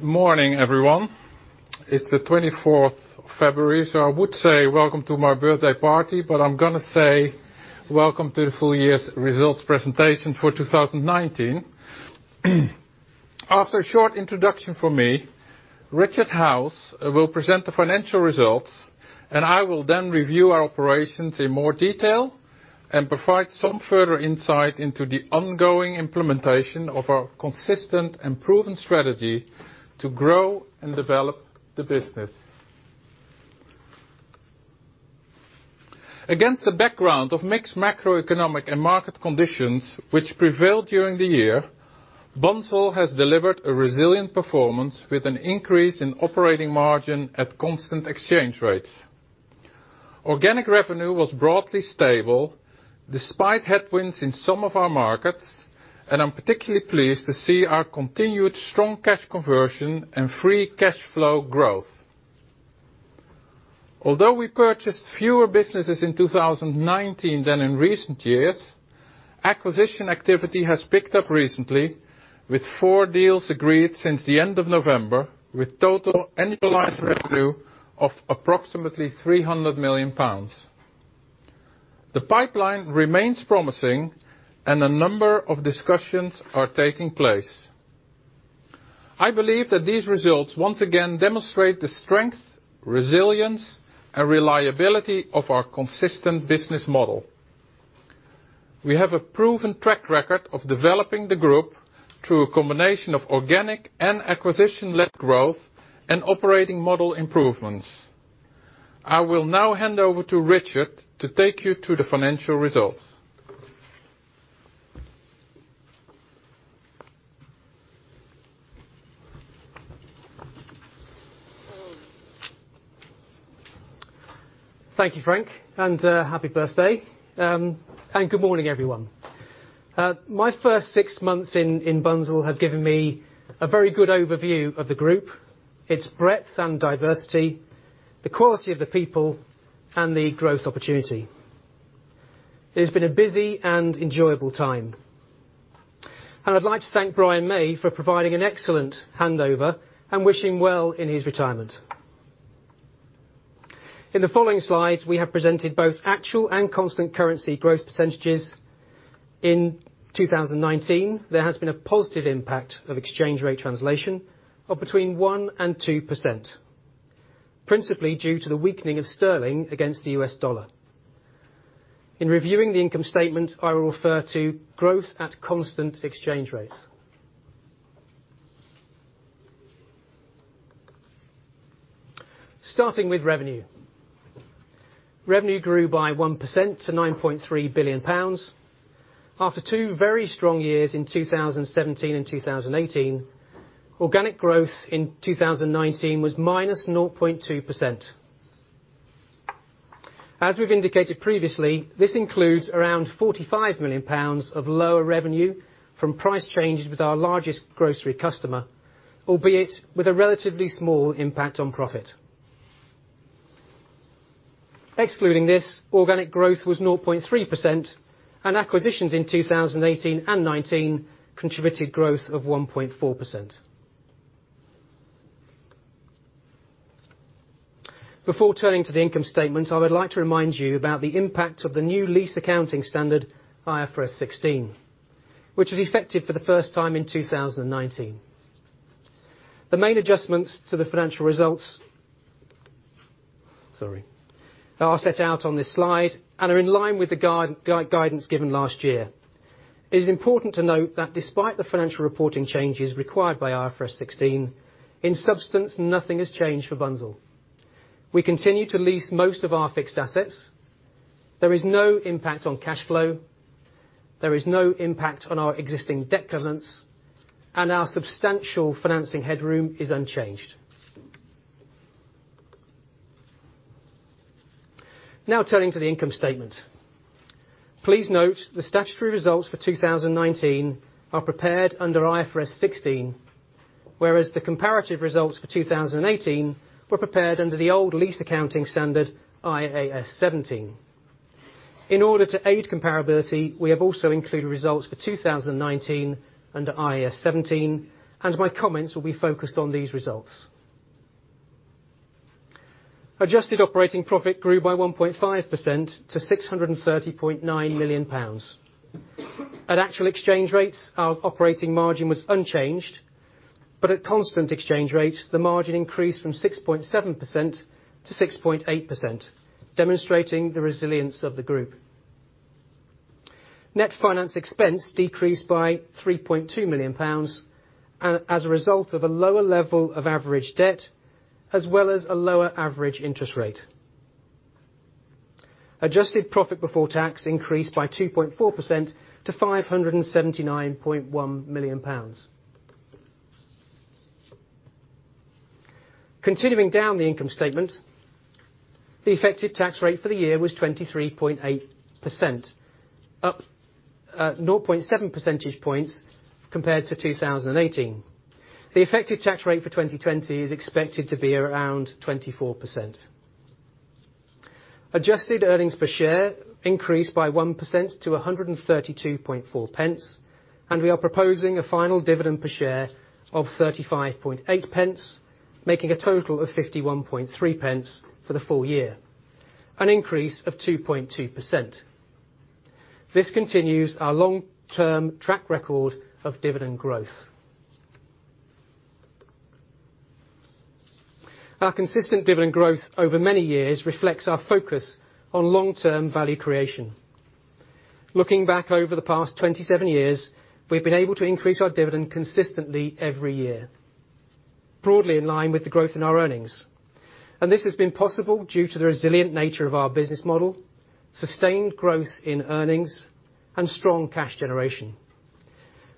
Morning, everyone. It's the February 24th. I would say welcome to my birthday party, but I'm going to say welcome to the full year's results presentation for 2019. After a short introduction from me, Richard Howes will present the financial results, and I will then review our operations in more detail and provide some further insight into the ongoing implementation of our consistent and proven strategy to grow and develop the business. Against the background of mixed macroeconomic and market conditions, which prevailed during the year, Bunzl has delivered a resilient performance with an increase in operating margin at constant exchange rates. Organic revenue was broadly stable despite headwinds in some of our markets, and I'm particularly pleased to see our continued strong cash conversion and free cash flow growth. Although we purchased fewer businesses in 2019 than in recent years, acquisition activity has picked up recently with four deals agreed since the end of November, with total annualized revenue of approximately 300 million pounds. The pipeline remains promising and a number of discussions are taking place. I believe that these results once again demonstrate the strength, resilience, and reliability of our consistent business model. We have a proven track record of developing the group through a combination of organic and acquisition-led growth, and operating model improvements. I will now hand over to Richard to take you to the financial results. Thank you, Frank. Happy birthday. Good morning, everyone. My first six months in Bunzl have given me a very good overview of the group, its breadth and diversity, the quality of the people, and the growth opportunity. It has been a busy and enjoyable time. I'd like to thank Brian May for providing an excellent handover, and wish him well in his retirement. In the following slides, we have presented both actual and constant currency growth percentages. In 2019, there has been a positive impact of exchange rate translation of between 1% and 2%, principally due to the weakening of sterling against the US dollar. In reviewing the income statement, I will refer to growth at constant exchange rates. Starting with revenue. Revenue grew by 1% to 9.3 billion pounds. After two very strong years in 2017 and 2018, organic growth in 2019 was -0.2%. As we've indicated previously, this includes around 45 million pounds of lower revenue from price changes with our largest grocery customer, albeit with a relatively small impact on profit. Excluding this, organic growth was 0.3%, and acquisitions in 2018 and 2019 contributed growth of 1.4%. Before turning to the income statement, I would like to remind you about the impact of the new lease accounting standard, IFRS 16, which was effective for the first time in 2019. The main adjustments to the financial results are set out on this slide and are in line with the guidance given last year. It is important to note that despite the financial reporting changes required by IFRS 16, in substance, nothing has changed for Bunzl. We continue to lease most of our fixed assets. There is no impact on cash flow, there is no impact on our existing debt covenants, and our substantial financing headroom is unchanged. Now turning to the income statement. Please note the statutory results for 2019 are prepared under IFRS 16, whereas the comparative results for 2018 were prepared under the old lease accounting standard, IAS 17. In order to aid comparability, we have also included results for 2019 under IAS 17, and my comments will be focused on these results. Adjusted operating profit grew by 1.5% to 630.9 million pounds. At actual exchange rates, our operating margin was unchanged, but at constant exchange rates, the margin increased from 6.7%-6.8%, demonstrating the resilience of the group. Net finance expense decreased by 3.2 million pounds, as a result of a lower level of average debt, as well as a lower average interest rate. Adjusted profit before tax increased by 2.4% to 579.1 million pounds. Continuing down the income statement, the effective tax rate for the year was 23.8%, up 0.7 percentage points compared to 2018. The effective tax rate for 2020 is expected to be around 24%. Adjusted earnings per share increased by 1% to 1.324. We are proposing a final dividend per share of 0.358, making a total of 0.513 for the full year, an increase of 2.2%. This continues our long-term track record of dividend growth. Our consistent dividend growth over many years reflects our focus on long-term value creation. Looking back over the past 27 years, we've been able to increase our dividend consistently every year, broadly in line with the growth in our earnings. This has been possible due to the resilient nature of our business model, sustained growth in earnings, and strong cash generation.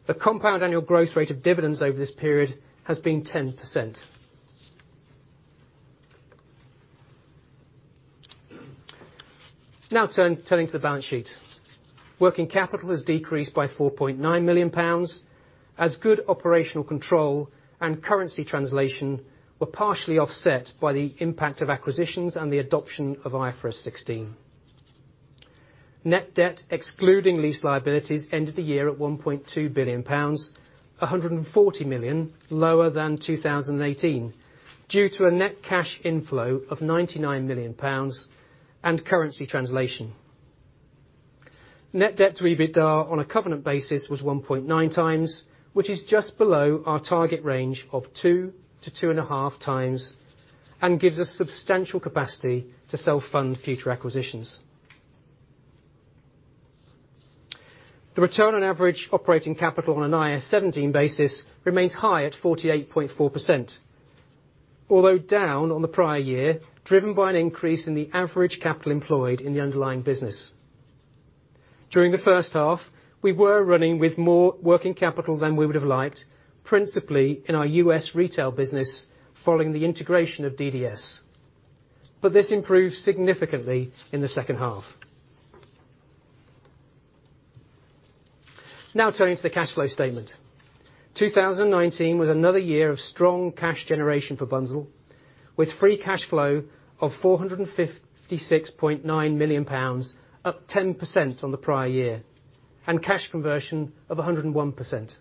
The compound annual growth rate of dividends over this period has been 10%. Now turning to the balance sheet. Working capital has decreased by 4.9 million pounds as good operational control and currency translation were partially offset by the impact of acquisitions and the adoption of IFRS 16. Net debt, excluding lease liabilities, ended the year at 1.2 billion pounds, 140 million lower than 2018. Due to a net cash inflow of 99 million pounds and currency translation. Net debt to EBITDA on a covenant basis was 1.9x, which is just below our target range of 2x-2.5x, and gives us substantial capacity to self-fund future acquisitions. The return on average operating capital on an IAS 17 basis remains high at 48.4%. Although down on the prior year, driven by an increase in the average capital employed in the underlying business. During the H1, we were running with more working capital than we would have liked, principally in our U.S. retail business following the integration of DDS. This improved significantly in the H2. Turning to the cash flow statement. 2019 was another year of strong cash generation for Bunzl, with free cash flow of 456.9 million pounds, up 10% on the prior year, and cash conversion of 101%.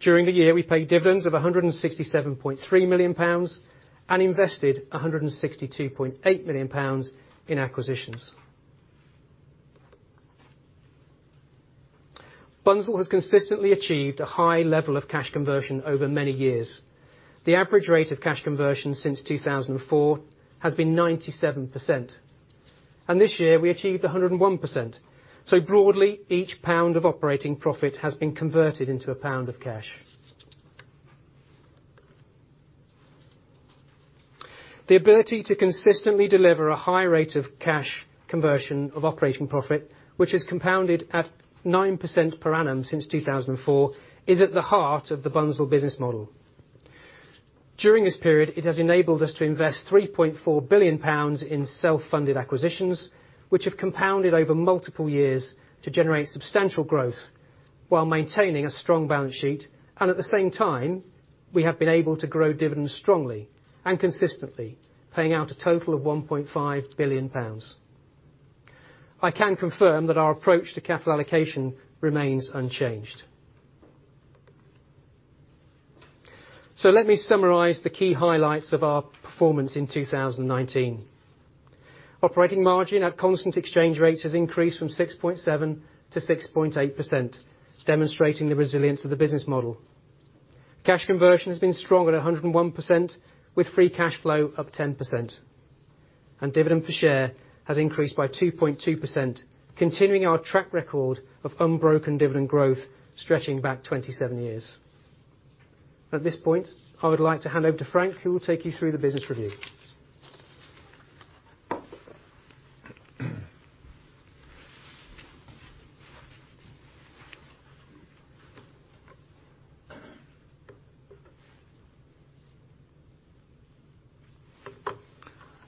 During the year, we paid dividends of 167.3 million pounds and invested 162.8 million pounds in acquisitions. Bunzl has consistently achieved a high level of cash conversion over many years. The average rate of cash conversion since 2004 has been 97%. This year, we achieved 101%. Broadly, each pound of operating profit has been converted into a pound of cash. The ability to consistently deliver a high rate of cash conversion of operating profit, which has compounded at 9% per annum since 2004, is at the heart of the Bunzl business model. During this period, it has enabled us to invest 3.4 billion pounds in self-funded acquisitions, which have compounded over multiple years to generate substantial growth while maintaining a strong balance sheet, and at the same time, we have been able to grow dividends strongly and consistently, paying out a total of 1.5 billion pounds. I can confirm that our approach to capital allocation remains unchanged. Let me summarize the key highlights of our performance in 2019. Operating margin at constant exchange rates has increased from 6.7%-6.8%, demonstrating the resilience of the business model. Cash conversion has been strong at 101%, with free cash flow up 10%. Dividend per share has increased by 2.2%, continuing our track record of unbroken dividend growth stretching back 27 years. At this point, I would like to hand over to Frank, who will take you through the business review.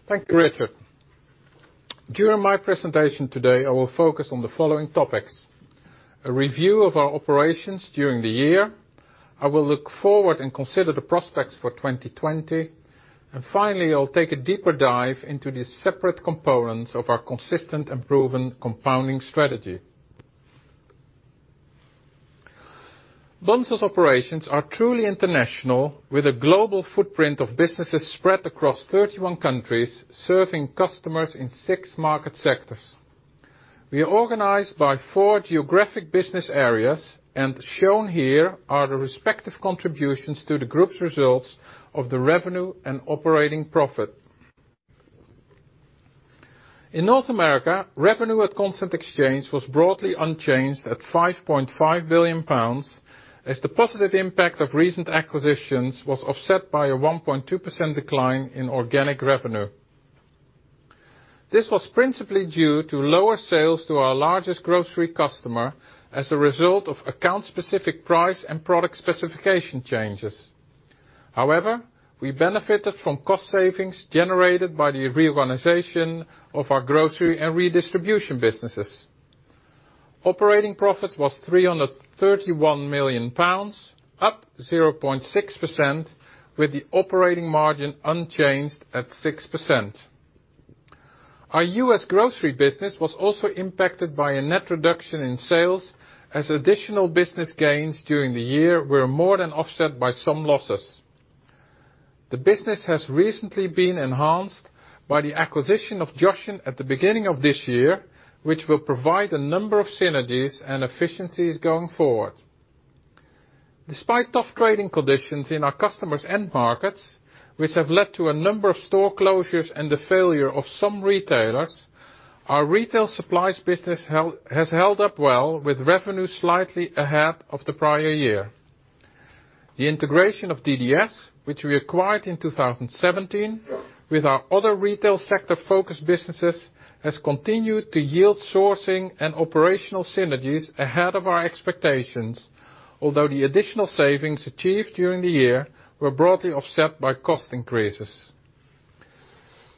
Thank you, Richard. During my presentation today, I will focus on the following topics: a review of our operations during the year, I will look forward and consider the prospects for 2020, and finally, I'll take a deeper dive into the separate components of our consistent and proven compounding strategy. Bunzl's operations are truly international, with a global footprint of businesses spread across 31 countries, serving customers in six market sectors. We are organized by four geographic business areas, and shown here are the respective contributions to the group's results of the revenue and operating profit. In North America, revenue at constant exchange was broadly unchanged at 5.5 billion pounds as the positive impact of recent acquisitions was offset by a 1.2% decline in organic revenue. This was principally due to lower sales to our largest grocery customer as a result of account-specific price and product specification changes. We benefited from cost savings generated by the reorganization of our grocery and redistribution businesses. Operating profit was 331 million pounds, up 0.6%, with the operating margin unchanged at 6%. Our US grocery business was also impacted by a net reduction in sales as additional business gains during the year were more than offset by some losses. The business has recently been enhanced by the acquisition of Joshen at the beginning of this year, which will provide a number of synergies and efficiencies going forward. Despite tough trading conditions in our customers' end markets, which have led to a number of store closures and the failure of some retailers, our retail supplies business has held up well, with revenues slightly ahead of the prior year. The integration of DDS, which we acquired in 2017, with our other retail sector focused businesses, has continued to yield sourcing and operational synergies ahead of our expectations. Although the additional savings achieved during the year were broadly offset by cost increases.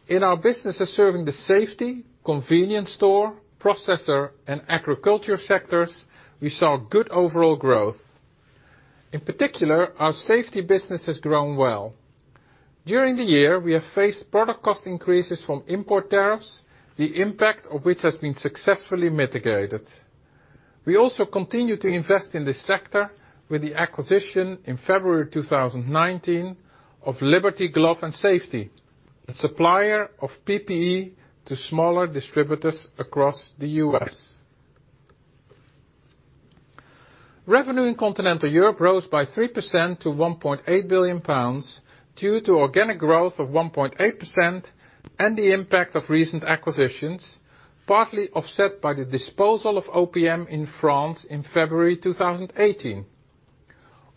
In our businesses serving the safety, convenience store, processor, and agricultural sectors, we saw good overall growth. In particular, our safety business has grown well. During the year, we have faced product cost increases from import tariffs, the impact of which has been successfully mitigated. We also continue to invest in this sector with the acquisition in February 2019 of Liberty Glove and Safety, a supplier of PPE to smaller distributors across the U.S. Revenue in Continental Europe rose by 3% to 1.8 billion pounds, due to organic growth of 1.8% and the impact of recent acquisitions, partly offset by the disposal of OPM in France in February 2018.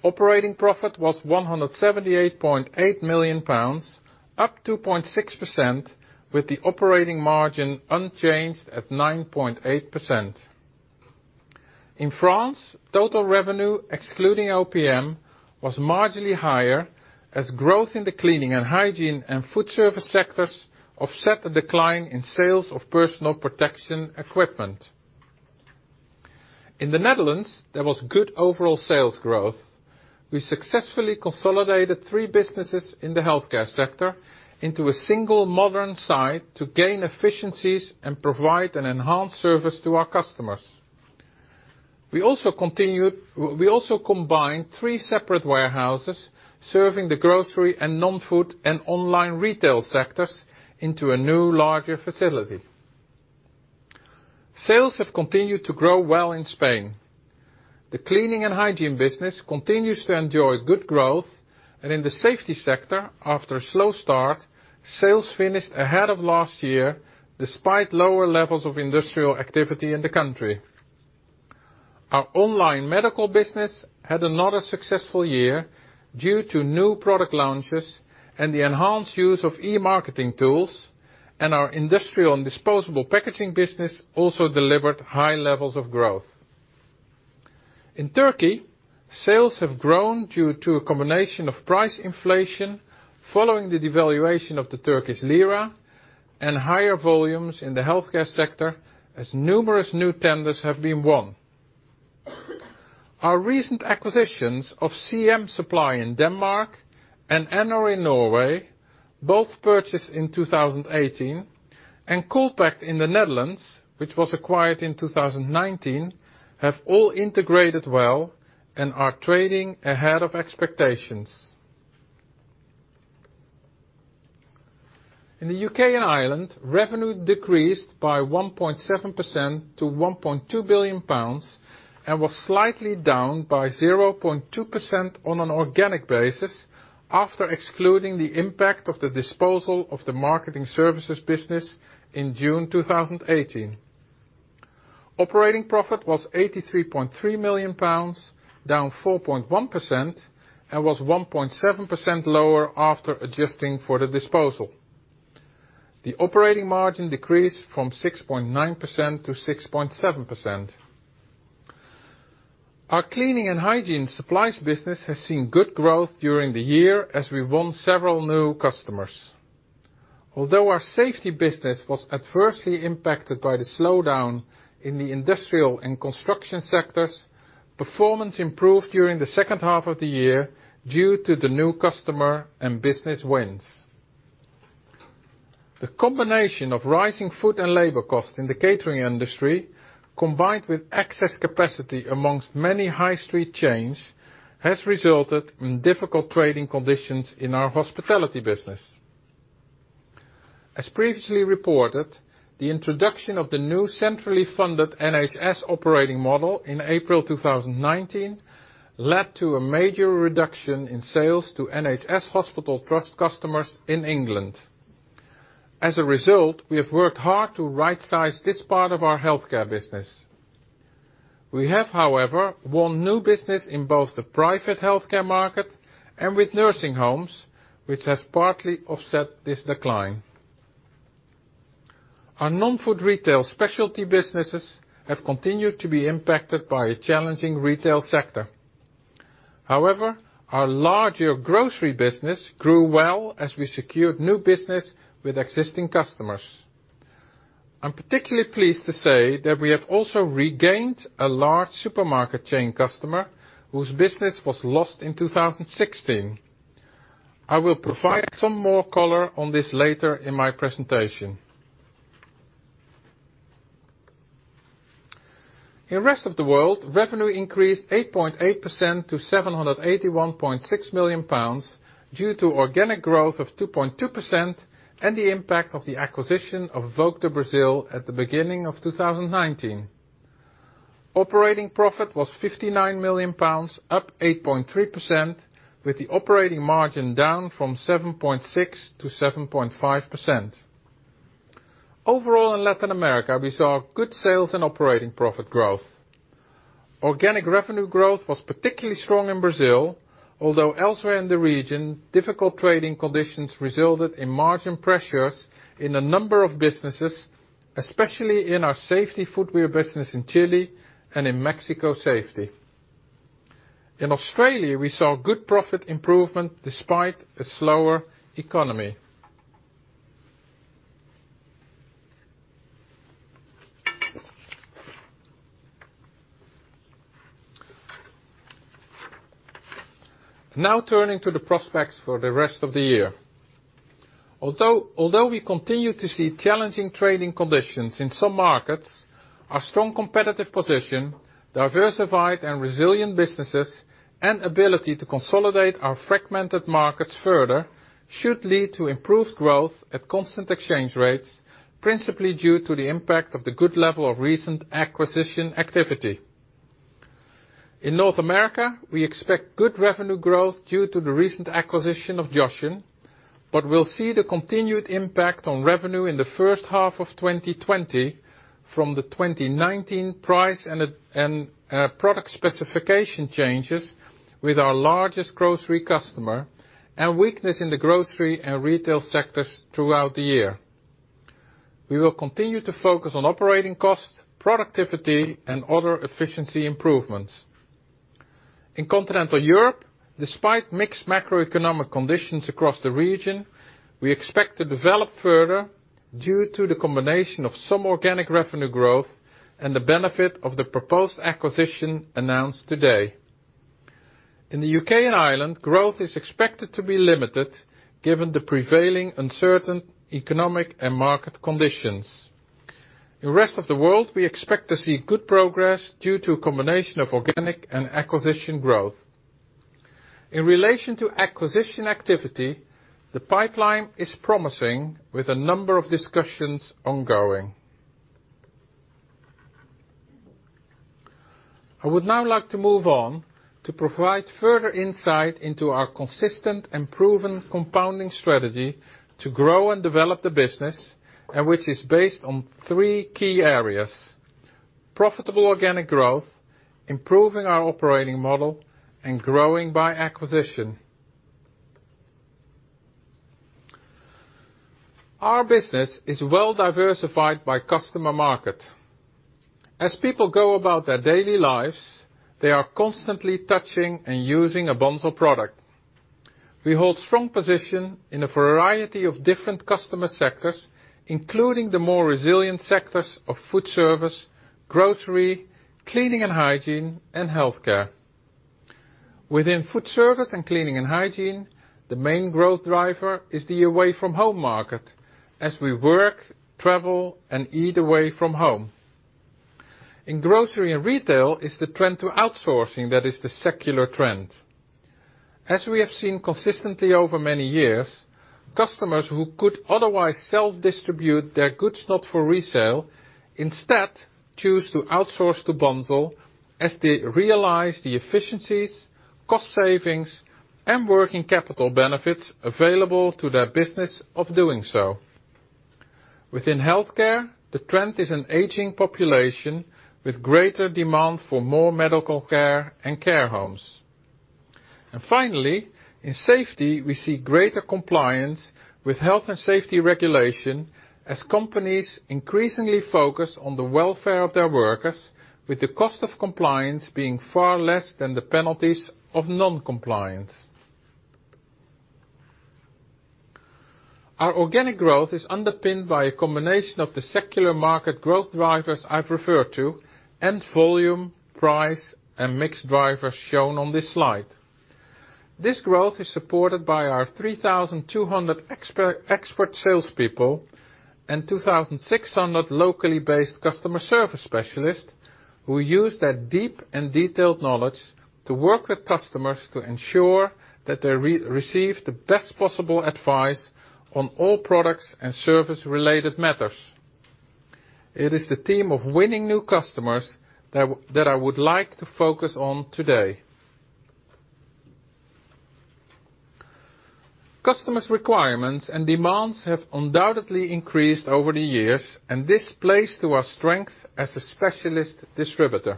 Operating profit was 178.8 million pounds, up 2.6%, with the operating margin unchanged at 9.8%. In France, total revenue, excluding OPM, was marginally higher as growth in the cleaning and hygiene and food service sectors offset the decline in sales of personal protection equipment. In the Netherlands, there was good overall sales growth. We successfully consolidated three businesses in the healthcare sector into a single modern site to gain efficiencies and provide an enhanced service to our customers. We also combined three separate warehouses serving the grocery and non-food and online retail sectors into a new larger facility. Sales have continued to grow well in Spain. The cleaning and hygiene business continues to enjoy good growth, and in the safety sector, after a slow start, sales finished ahead of last year, despite lower levels of industrial activity in the country. Our online medical business had another successful year due to new product launches and the enhanced use of e-marketing tools, and our industrial and disposable packaging business also delivered high levels of growth. In Turkey, sales have grown due to a combination of price inflation following the devaluation of the Turkish lira and higher volumes in the healthcare sector as numerous new tenders have been won. Our recent acquisitions of CM-Supply in Denmark and Enor in Norway, both purchased in 2018, and Coolpack in the Netherlands, which was acquired in 2019, have all integrated well and are trading ahead of expectations. In the U.K. and Ireland, revenue decreased by 1.7% to 1.2 billion pounds and was slightly down by 0.2% on an organic basis after excluding the impact of the disposal of the marketing services business in June 2018. Operating profit was 83.3 million pounds, down 4.1%, and was 1.7% lower after adjusting for the disposal. The operating margin decreased from 6.9%-6.7%. Our cleaning and hygiene supplies business has seen good growth during the year as we won several new customers. Although our safety business was adversely impacted by the slowdown in the industrial and construction sectors, performance improved during the H2 of the year due to the new customer and business wins. The combination of rising food and labor costs in the catering industry, combined with excess capacity amongst many high street chains, has resulted in difficult trading conditions in our hospitality business. As previously reported, the introduction of the new centrally funded NHS operating model in April 2019 led to a major reduction in sales to NHS hospital trust customers in England. As a result, we have worked hard to rightsize this part of our healthcare business. We have, however, won new business in both the private healthcare market and with nursing homes, which has partly offset this decline. Our non-food retail specialty businesses have continued to be impacted by a challenging retail sector. Our larger grocery business grew well as we secured new business with existing customers. I am particularly pleased to say that we have also regained a large supermarket chain customer whose business was lost in 2016. I will provide some more color on this later in my presentation. In rest of the world, revenue increased 8.8% to 781.6 million pounds due to organic growth of 2.2% and the impact of the acquisition of Volk do Brasil at the beginning of 2019. Operating profit was 59 million pounds, up 8.3%, with the operating margin down from 7.6%-7.5%. Overall, in Latin America, we saw good sales and operating profit growth. Organic revenue growth was particularly strong in Brazil, although elsewhere in the region, difficult trading conditions resulted in margin pressures in a number of businesses, especially in our safety footwear business in Chile and in Mexico Safety. In Australia, we saw good profit improvement despite a slower economy. Now turning to the prospects for the rest of the year. Although we continue to see challenging trading conditions in some markets, our strong competitive position, diversified and resilient businesses, and ability to consolidate our fragmented markets further should lead to improved growth at constant exchange rates, principally due to the impact of the good level of recent acquisition activity. In North America, we expect good revenue growth due to the recent acquisition of Joshen, but we'll see the continued impact on revenue in the H1 of 2020 from the 2019 price and product specification changes with our largest grocery customer and weakness in the grocery and retail sectors throughout the year. We will continue to focus on operating costs, productivity, and other efficiency improvements. In continental Europe, despite mixed macroeconomic conditions across the region, we expect to develop further due to the combination of some organic revenue growth and the benefit of the proposed acquisition announced today. In the U.K. and Ireland, growth is expected to be limited, given the prevailing uncertain economic and market conditions. In the rest of the world, we expect to see good progress due to a combination of organic and acquisition growth. In relation to acquisition activity, the pipeline is promising with a number of discussions ongoing. I would now like to move on to provide further insight into our consistent and proven compounding strategy to grow and develop the business, and which is based on three key areas: profitable organic growth, improving our operating model, and growing by acquisition. Our business is well diversified by customer market. As people go about their daily lives, they are constantly touching and using a Bunzl product. We hold strong position in a variety of different customer sectors, including the more resilient sectors of food service, grocery, cleaning and hygiene, and healthcare. Within food service and cleaning and hygiene, the main growth driver is the away-from-home market as we work, travel, and eat away from home. In grocery and retail is the trend to outsourcing that is the secular trend. As we have seen consistently over many years, customers who could otherwise self-distribute their goods not for resale instead choose to outsource to Bunzl as they realize the efficiencies, cost savings, and working capital benefits available to their business of doing so. Within healthcare, the trend is an aging population with greater demand for more medical care and care homes. Finally, in safety, we see greater compliance with health and safety regulation as companies increasingly focus on the welfare of their workers with the cost of compliance being far less than the penalties of non-compliance. Our organic growth is underpinned by a combination of the secular market growth drivers I've referred to and volume, price, and mix drivers shown on this slide. This growth is supported by our 3,200 expert salespeople and 2,600 locally-based customer service specialists who use their deep and detailed knowledge to work with customers to ensure that they receive the best possible advice on all products and service-related matters. It is the theme of winning new customers that I would like to focus on today. Customers' requirements and demands have undoubtedly increased over the years, and this plays to our strength as a specialist distributor.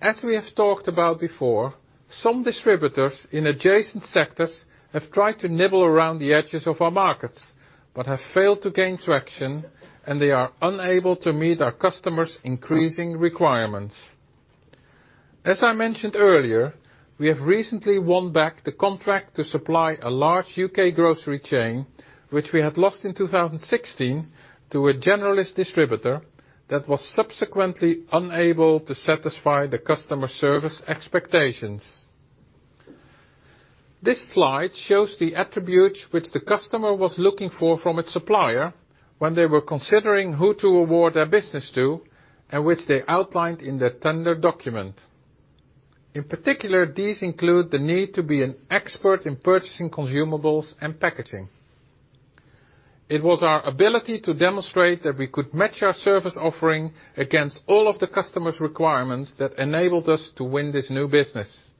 As we have talked about before, some distributors in adjacent sectors have tried to nibble around the edges of our markets, but have failed to gain traction, and they are unable to meet our customers' increasing requirements. As I mentioned earlier, we have recently won back the contract to supply a large U.K. grocery chain, which we had lost in 2016 to a generalist distributor that was subsequently unable to satisfy the customer service expectations. This slide shows the attributes which the customer was looking for from its supplier when they were considering who to award their business to, and which they outlined in their tender document. In particular, these include the need to be an expert in purchasing consumables and packaging. It was our ability to demonstrate that we could match our service offering against all of the customer's requirements that enabled us to win this new business.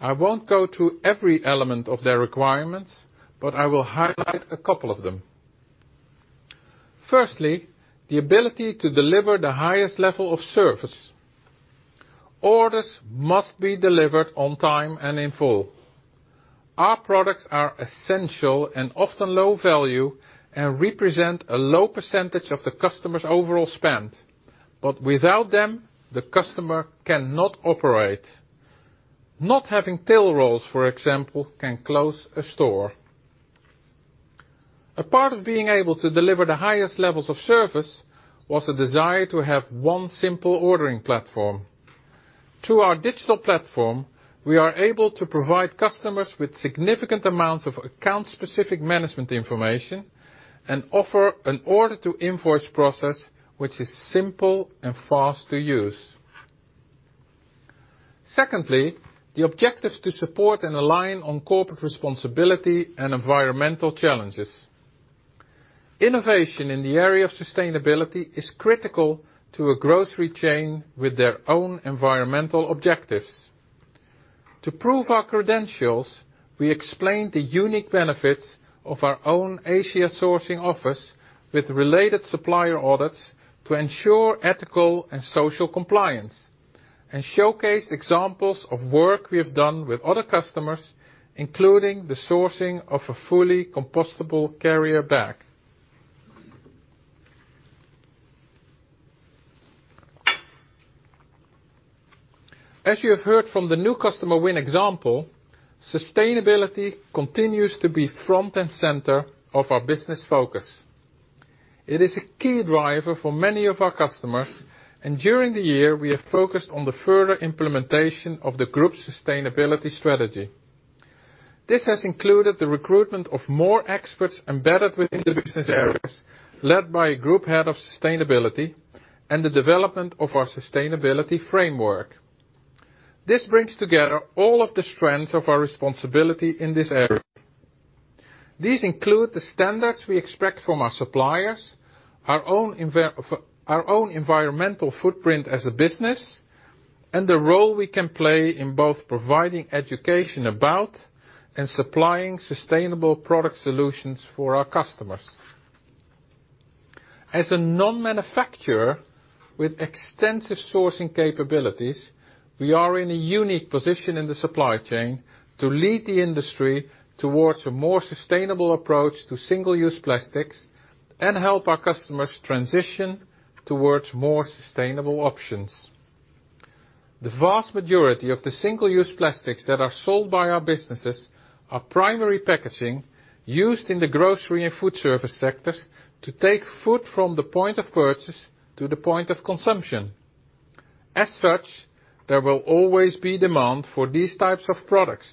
I won't go through every element of their requirements, but I will highlight a couple of them. Firstly, the ability to deliver the highest level of service. Orders must be delivered on time and in full. Our products are essential and often low value and represent a low percentage of the customer's overall spend. Without them, the customer cannot operate. Not having till rolls, for example, can close a store. A part of being able to deliver the highest levels of service was a desire to have one simple ordering platform. Through our digital platform, we are able to provide customers with significant amounts of account-specific management information and offer an order to invoice process which is simple and fast to use. Secondly, the objective to support and align on corporate responsibility and environmental challenges. Innovation in the area of sustainability is critical to a grocery chain with their own environmental objectives. To prove our credentials, we explained the unique benefits of our own Asia sourcing office with related supplier audits to ensure ethical and social compliance and showcase examples of work we have done with other customers, including the sourcing of a fully compostable carrier bag. As you have heard from the new customer win example, sustainability continues to be front and center of our business focus. It is a key driver for many of our customers, and during the year, we have focused on the further implementation of the group's sustainability strategy. This has included the recruitment of more experts embedded within the business areas, led by a group head of sustainability and the development of our sustainability framework. This brings together all of the strands of our responsibility in this area. These include the standards we expect from our suppliers, our own environmental footprint as a business, and the role we can play in both providing education about and supplying sustainable product solutions for our customers. As a non-manufacturer with extensive sourcing capabilities, we are in a unique position in the supply chain to lead the industry towards a more sustainable approach to single-use plastics and help our customers transition towards more sustainable options. The vast majority of the single-use plastics that are sold by our businesses are primary packaging used in the grocery and food service sectors to take food from the point of purchase to the point of consumption. As such, there will always be demand for these types of products,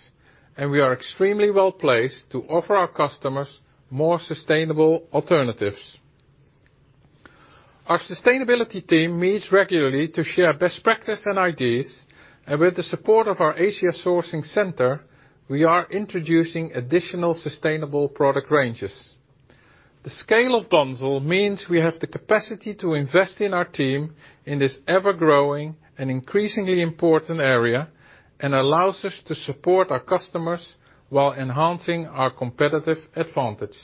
and we are extremely well-placed to offer our customers more sustainable alternatives. Our sustainability team meets regularly to share best practice and ideas, and with the support of our Asia sourcing center, we are introducing additional sustainable product ranges. The scale of Bunzl means we have the capacity to invest in our team in this ever-growing and increasingly important area and allows us to support our customers while enhancing our competitive advantage.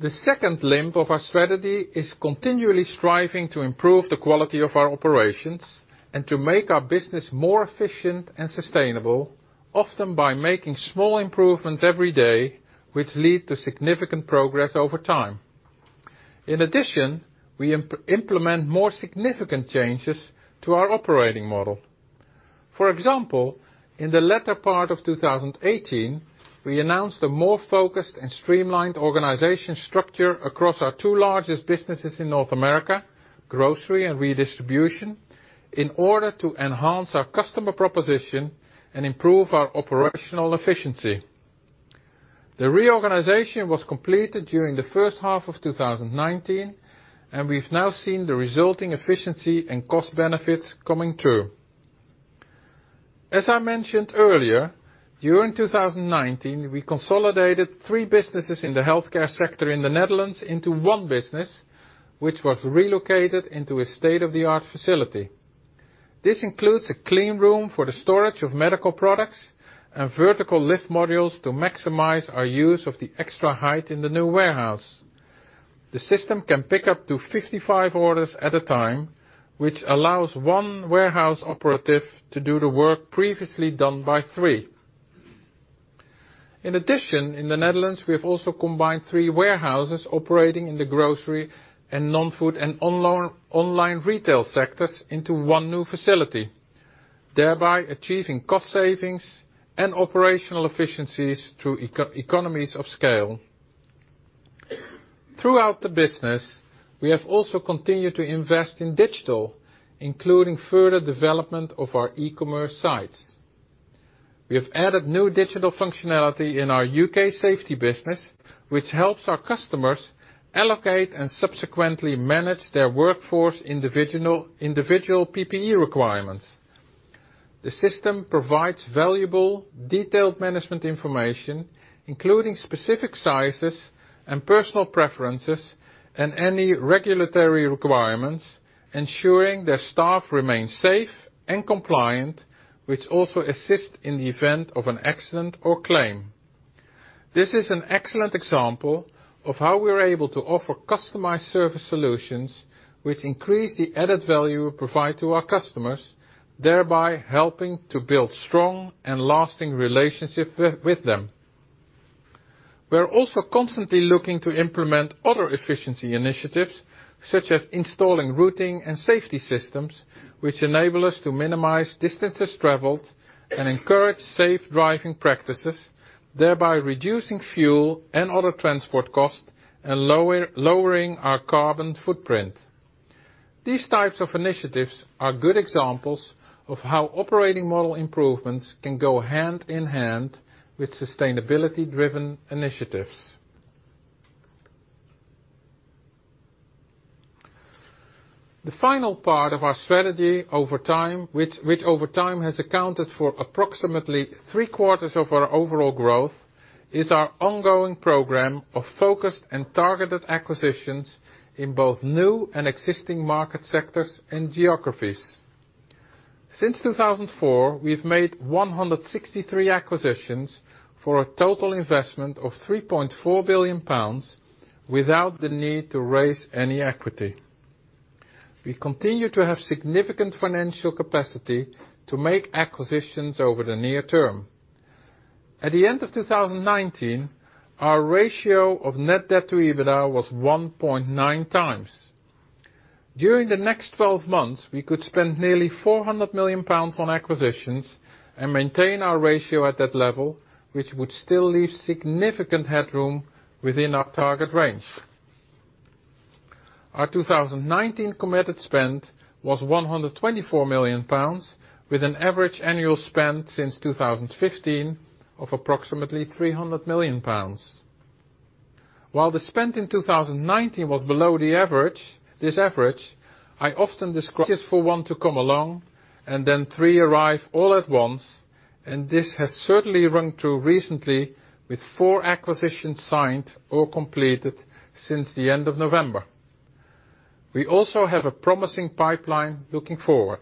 The second limb of our strategy is continually striving to improve the quality of our operations and to make our business more efficient and sustainable, often by making small improvements every day which lead to significant progress over time. In addition, we implement more significant changes to our operating model. For example, in the latter part of 2018, we announced a more focused and streamlined organization structure across our two largest businesses in North America, grocery and redistribution, in order to enhance our customer proposition and improve our operational efficiency. The reorganization was completed during the H1 of 2019, and we've now seen the resulting efficiency and cost benefits coming through. As I mentioned earlier, during 2019, we consolidated three businesses in the healthcare sector in the Netherlands into one business, which was relocated into a state-of-the-art facility. This includes a clean room for the storage of medical products and vertical lift modules to maximize our use of the extra height in the new warehouse. The system can pick up to 55 orders at a time, which allows one warehouse operative to do the work previously done by three. In addition, in the Netherlands, we have also combined three warehouses operating in the grocery and non-food and online retail sectors into one new facility, thereby achieving cost savings and operational efficiencies through economies of scale. Throughout the business, we have also continued to invest in digital, including further development of our e-commerce sites. We have added new digital functionality in our U.K. safety business, which helps our customers allocate and subsequently manage their workforce individual PPE requirements. The system provides valuable, detailed management information, including specific sizes and personal preferences and any regulatory requirements, ensuring their staff remain safe and compliant, which also assists in the event of an accident or claim. This is an excellent example of how we're able to offer customized service solutions, which increase the added value we provide to our customers, thereby helping to build strong and lasting relationship with them. We're also constantly looking to implement other efficiency initiatives, such as installing routing and safety systems, which enable us to minimize distances traveled and encourage safe driving practices, thereby reducing fuel and other transport costs and lowering our carbon footprint. These types of initiatives are good examples of how operating model improvements can go hand in hand with sustainability-driven initiatives. The final part of our strategy, which over time has accounted for approximately three-quarters of our overall growth, is our ongoing program of focused and targeted acquisitions in both new and existing market sectors and geographies. Since 2004, we've made 163 acquisitions for a total investment of 3.4 billion pounds without the need to raise any equity. We continue to have significant financial capacity to make acquisitions over the near term. At the end of 2019, our ratio of net debt to EBITDA was 1.9x. During the next 12 months, we could spend nearly 400 million pounds on acquisitions and maintain our ratio at that level, which would still leave significant headroom within our target range. Our 2019 committed spend was 124 million pounds, with an average annual spend since 2015 of approximately 300 million pounds. While the spend in 2019 was below this average, I often describe for one to come along, and then three arrive all at once, and this has certainly rung true recently with four acquisitions signed or completed since the end of November. We also have a promising pipeline looking forward.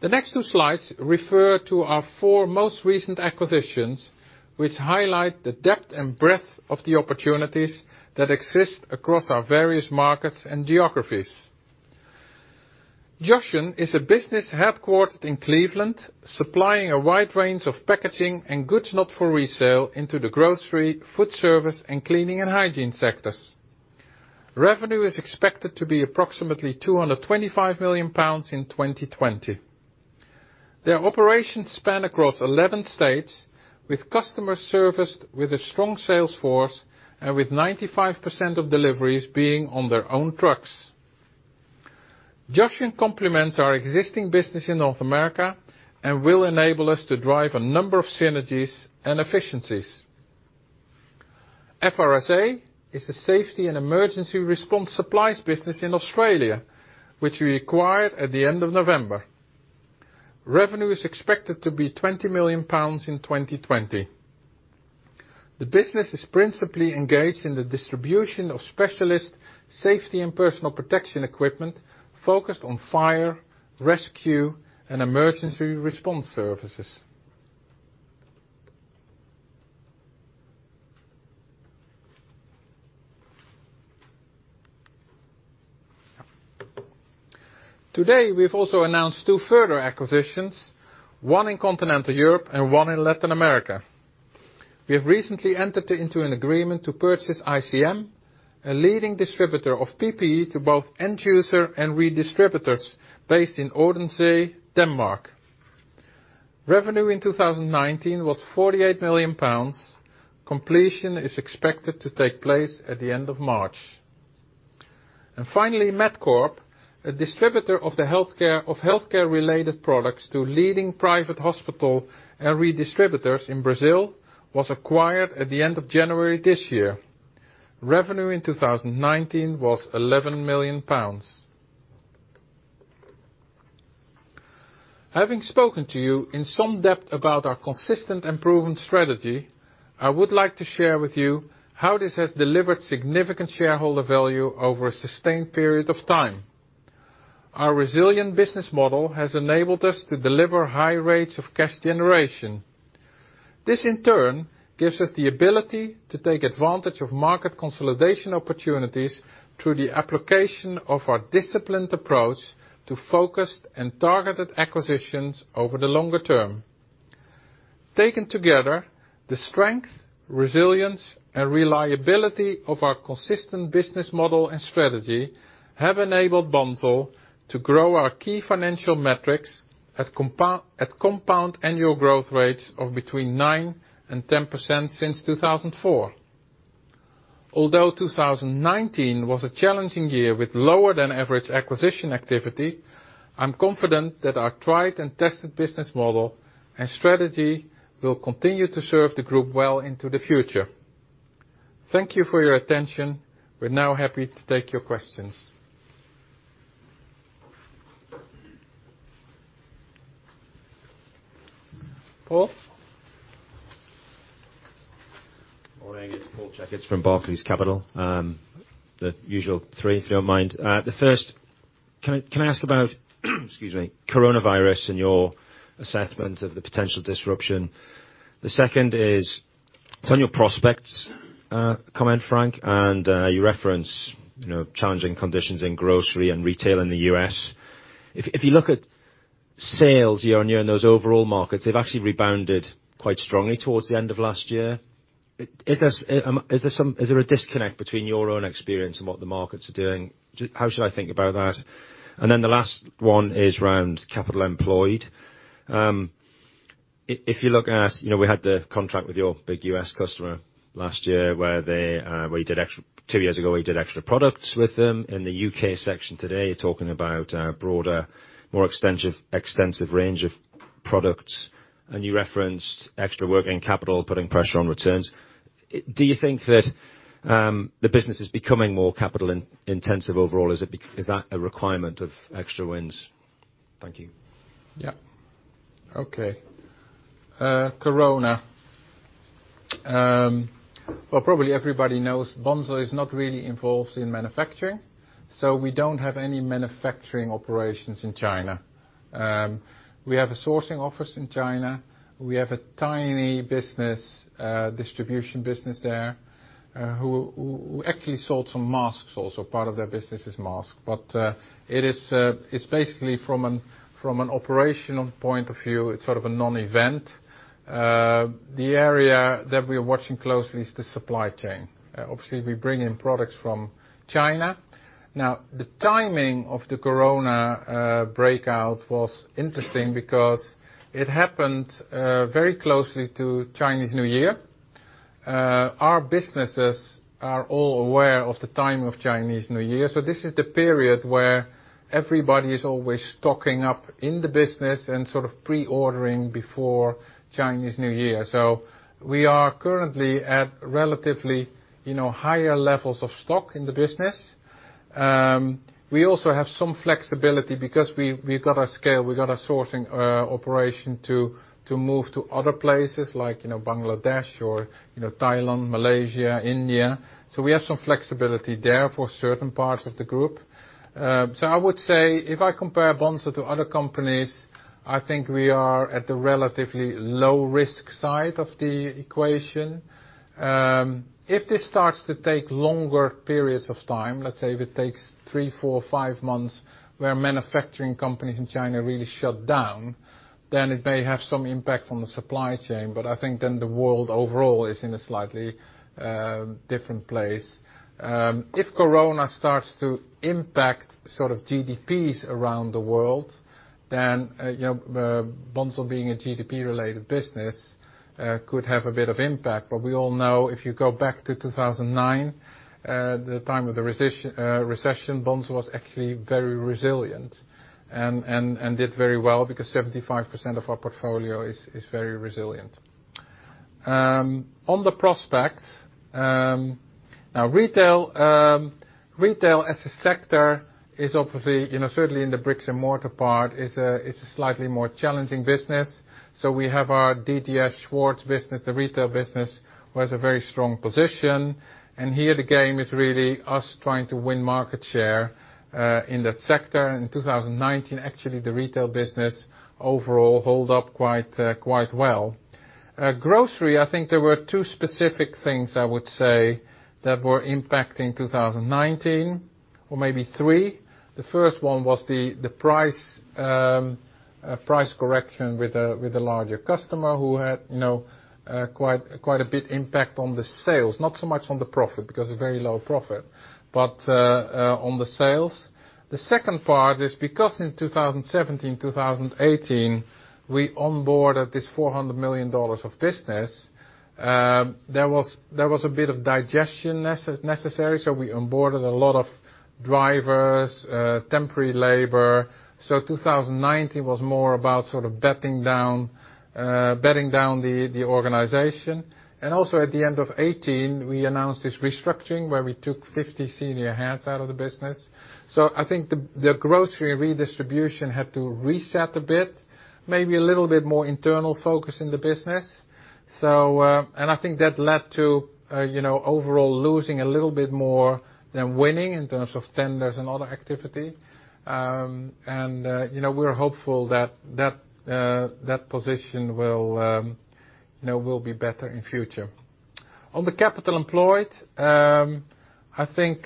The next two slides refer to our four most recent acquisitions, which highlight the depth and breadth of the opportunities that exist across our various markets and geographies. Joshen is a business headquartered in Cleveland, supplying a wide range of packaging and goods not for resale into the grocery, food service, and cleaning and hygiene sectors. Revenue is expected to be approximately 225 million pounds in 2020. Their operations span across 11 states, with customer serviced with a strong sales force and with 95% of deliveries being on their own trucks. Joshen complements our existing business in North America and will enable us to drive a number of synergies and efficiencies. FRSA is a safety and emergency response supplies business in Australia, which we acquired at the end of November. Revenue is expected to be 20 million pounds in 2020. The business is principally engaged in the distribution of specialist safety and personal protection equipment focused on fire, rescue, and emergency response services. Today, we've also announced two further acquisitions, one in Continental Europe and one in Latin America. We have recently entered into an agreement to purchase ICM, a leading distributor of PPE to both end user and redistributors based in Odense, Denmark. Revenue in 2019 was 48 million pounds. Completion is expected to take place at the end of March. Finally, Medcorp, a distributor of healthcare-related products to leading private hospital and redistributors in Brazil, was acquired at the end of January this year. Revenue in 2019 was 11 million pounds. Having spoken to you in some depth about our consistent and proven strategy, I would like to share with you how this has delivered significant shareholder value over a sustained period of time. Our resilient business model has enabled us to deliver high rates of cash generation. This in turn gives us the ability to take advantage of market consolidation opportunities through the application of our disciplined approach to focused and targeted acquisitions over the longer term. Taken together, the strength, resilience, and reliability of our consistent business model and strategy have enabled Bunzl to grow our key financial metrics at compound annual growth rates of between 9% and 10% since 2004. Although 2019 was a challenging year with lower than average acquisition activity, I'm confident that our tried and tested business model and strategy will continue to serve the group well into the future. Thank you for your attention. We're now happy to take your questions. Paul? Morning, it's Paul Checketts from Barclays Capital. The usual three, if you don't mind. The first, can I ask about excuse me, coronavirus and your assessment of the potential disruption? The second is it's on your prospects comment, Frank, and you reference challenging conditions in grocery and retail in the U.S. If you look at sales year-on-year in those overall markets, they've actually rebounded quite strongly towards the end of last year. Is there a disconnect between your own experience and what the markets are doing? How should I think about that? The last one is around capital employed. If you look at, we had the contract with your big U.S. customer last year, two years ago, where you did extra products with them. In the U.K. section today, talking about a broader, more extensive range of products, and you referenced extra working capital, putting pressure on returns. Do you think that the business is becoming more capital intensive overall? Is that a requirement of extra wins? Thank you. Okay. Corona. Well, probably everybody knows Bunzl is not really involved in manufacturing, so we don't have any manufacturing operations in China. We have a sourcing office in China. We have a tiny distribution business there, who actually sold some masks also. Part of their business is mask. It's basically from an operational point of view, it's sort of a non-event. The area that we are watching closely is the supply chain. Obviously, we bring in products from China. The timing of the corona breakout was interesting because it happened very closely to Chinese New Year. Our businesses are all aware of the time of Chinese New Year. This is the period where everybody is always stocking up in the business and sort of pre-ordering before Chinese New Year. We are currently at relatively higher levels of stock in the business. We also have some flexibility because we've got our scale, we've got our sourcing operation to move to other places like Bangladesh or Thailand, Malaysia, India. We have some flexibility there for certain parts of the group. I would say if I compare Bunzl to other companies, I think we are at the relatively low-risk side of the equation. If this starts to take longer periods of time, let's say if it takes three, four, five months, where manufacturing companies in China really shut down, then it may have some impact on the supply chain. I think then the world overall is in a slightly different place. If coronavirus starts to impact sort of GDPs around the world, then Bunzl being a GDP-related business could have a bit of impact. We all know if you go back to 2009, the time of the recession, Bunzl was actually very resilient and did very well because 75% of our portfolio is very resilient. On the prospects, now retail as a sector is obviously, certainly in the bricks and mortar part, is a slightly more challenging business. We have our DDS business, the retail business, who has a very strong position. Here the game is really us trying to win market share in that sector. In 2019, actually, the retail business overall hold up quite well. Grocery, I think there were two specific things I would say that were impacting 2019, or maybe three. The first one was the price correction with the larger customer who had quite a bit impact on the sales, not so much on the profit, because of very low profit, but on the sales. The second part is because in 2017, 2018, we onboarded this GBP 400 million of business, there was a bit of digestion necessary. We onboarded a lot of drivers, temporary labor. 2019 was more about sort of bedding down the organization. Also at the end of 2018, we announced this restructuring where we took 50 senior heads out of the business. I think the grocery redistribution had to reset a bit, maybe a little bit more internal focus in the business. I think that led to overall losing a little bit more than winning in terms of tenders and other activity. We're hopeful that that position will be better in future. On the capital employed, I think,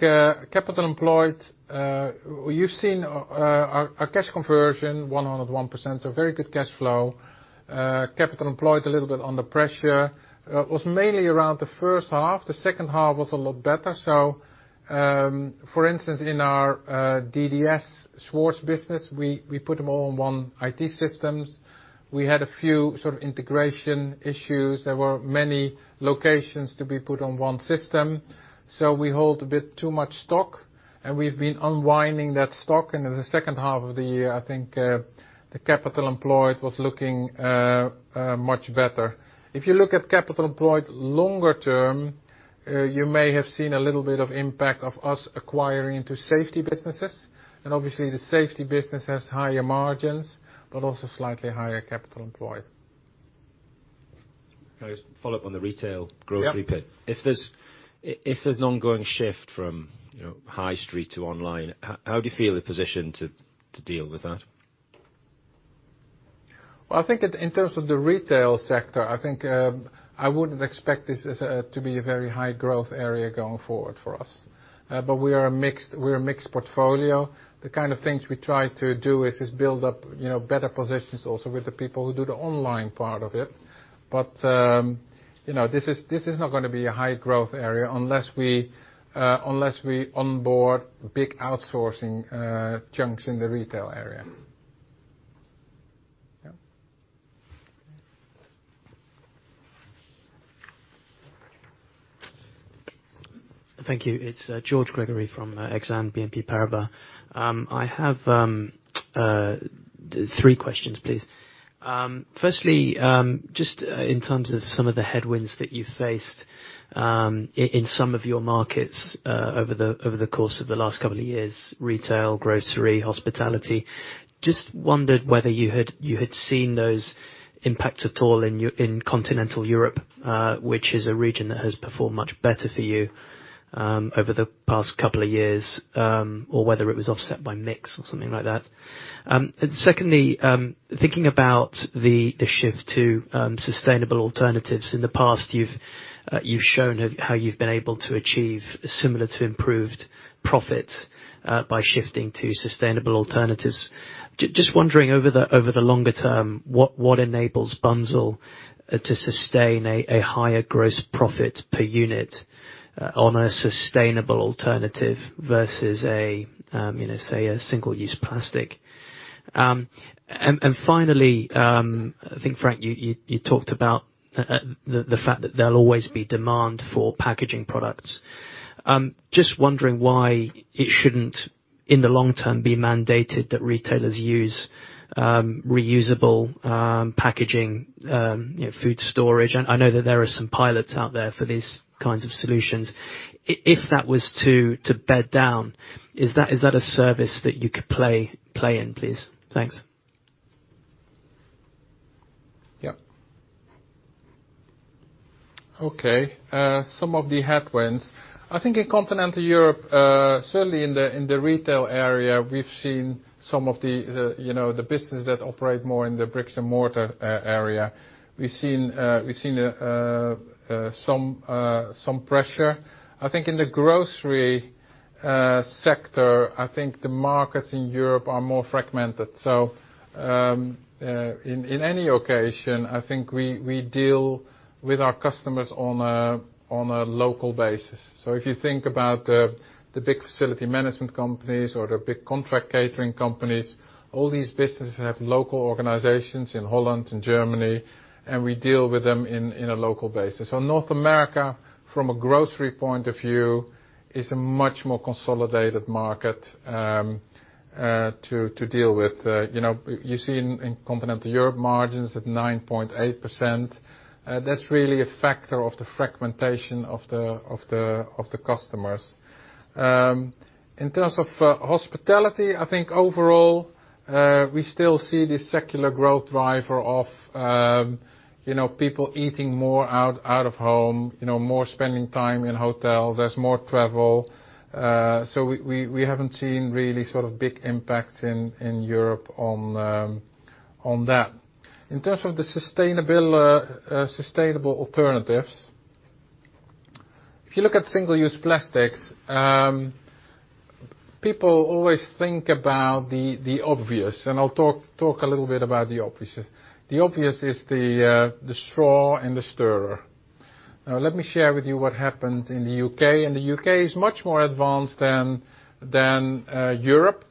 capital employed, you've seen our cash conversion, 101%, so very good cash flow. Capital employed a little bit under pressure. It was mainly around the H1. The H2 was a lot better. For instance, in our DDS Schwarz business, we put them all on one IT systems. We had a few sort of integration issues. There were many locations to be put on one system. We hold a bit too much stock, and we've been unwinding that stock. In the H2 of the year, I think, the capital employed was looking much better. If you look at capital employed longer term, you may have seen a little bit of impact of us acquiring into safety businesses. Obviously, the safety business has higher margins, but also slightly higher capital employed. Can I just follow-up on the retail grocery bit? Yep. If there's an ongoing shift from high street to online, how do you feel the position to deal with that? I think that in terms of the retail sector, I think, I wouldn't expect this as to be a very high growth area going forward for us. We are a mixed portfolio. The kind of things we try to do is build up better positions also with the people who do the online part of it. This is not going to be a high growth area unless we onboard big outsourcing chunks in the retail area. Yeah. Thank you. It's George Gregory from Exane BNP Paribas. I have three questions, please. Just in terms of some of the headwinds that you faced in some of your markets over the course of the last couple of years, retail, grocery, hospitality. Just wondered whether you had seen those impacts at all in Continental Europe, which is a region that has performed much better for you over the past couple of years, or whether it was offset by mix or something like that. Thinking about the shift to sustainable alternatives. In the past, you've shown how you've been able to achieve similar to improved profit by shifting to sustainable alternatives. Just wondering over the longer term, what enables Bunzl to sustain a higher gross profit per unit on a sustainable alternative versus, say, a single-use plastic? Finally, I think, Frank, you talked about the fact that there'll always be demand for packaging products. Just wondering why it shouldn't, in the long term, be mandated that retailers use reusable packaging food storage? I know that there are some pilots out there for these kinds of solutions. If that was to bed down, is that a service that you could play in, please? Thanks. Yeah. Okay. Some of the headwinds. I think in continental Europe, certainly in the retail area, we've seen some of the business that operate more in the bricks and mortar area. We've seen some pressure. I think in the grocery sector, I think the markets in Europe are more fragmented. In any occasion, I think we deal with our customers on a local basis. If you think about the big facility management companies or the big contract catering companies, all these businesses have local organizations in Holland, in Germany, and we deal with them in a local basis. North America, from a grocery point of view, is a much more consolidated market to deal with. You see in continental Europe, margins at 9.8%. That's really a factor of the fragmentation of the customers. In terms of hospitality, I think overall, we still see this secular growth driver of people eating more out of home, more spending time in hotel. There's more travel. We haven't seen really sort of big impacts in Europe on that. In terms of the sustainable alternatives, if you look at single-use plastics, people always think about the obvious, and I'll talk a little bit about the obvious. The obvious is the straw and the stirrer. Let me share with you what happened in the U.K., and the U.K. is much more advanced than Europe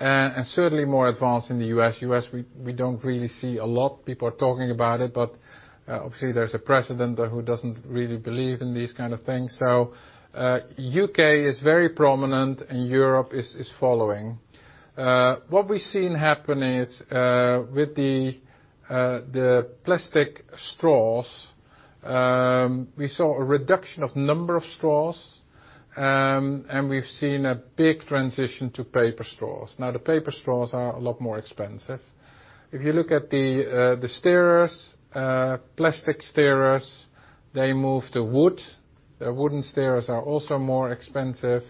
and certainly more advanced than the U.S. U.S., we don't really see a lot. People are talking about it, obviously, there's a president who doesn't really believe in these kind of things. U.K. is very prominent, and Europe is following. What we've seen happen is, with the plastic straws, we saw a reduction of number of straws, and we've seen a big transition to paper straws. The paper straws are a lot more expensive. If you look at the stirrers, plastic stirrers, they moved to wood. The wooden stirrers are also more expensive.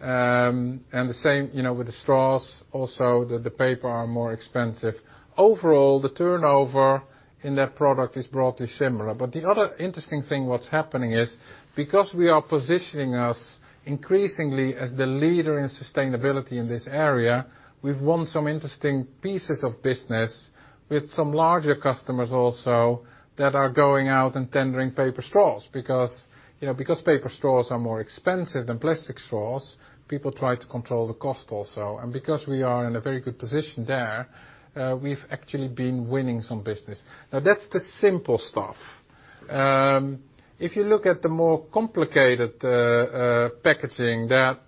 The same with the straws, also, the paper are more expensive. Overall, the turnover in that product is broadly similar. The other interesting thing that's happening is, because we are positioning us increasingly as the leader in sustainability in this area, we've won some interesting pieces of business with some larger customers also that are going out and tendering paper straws. Because paper straws are more expensive than plastic straws, people try to control the cost also. Because we are in a very good position there, we've actually been winning some business. That's the simple stuff. If you look at the more complicated packaging, that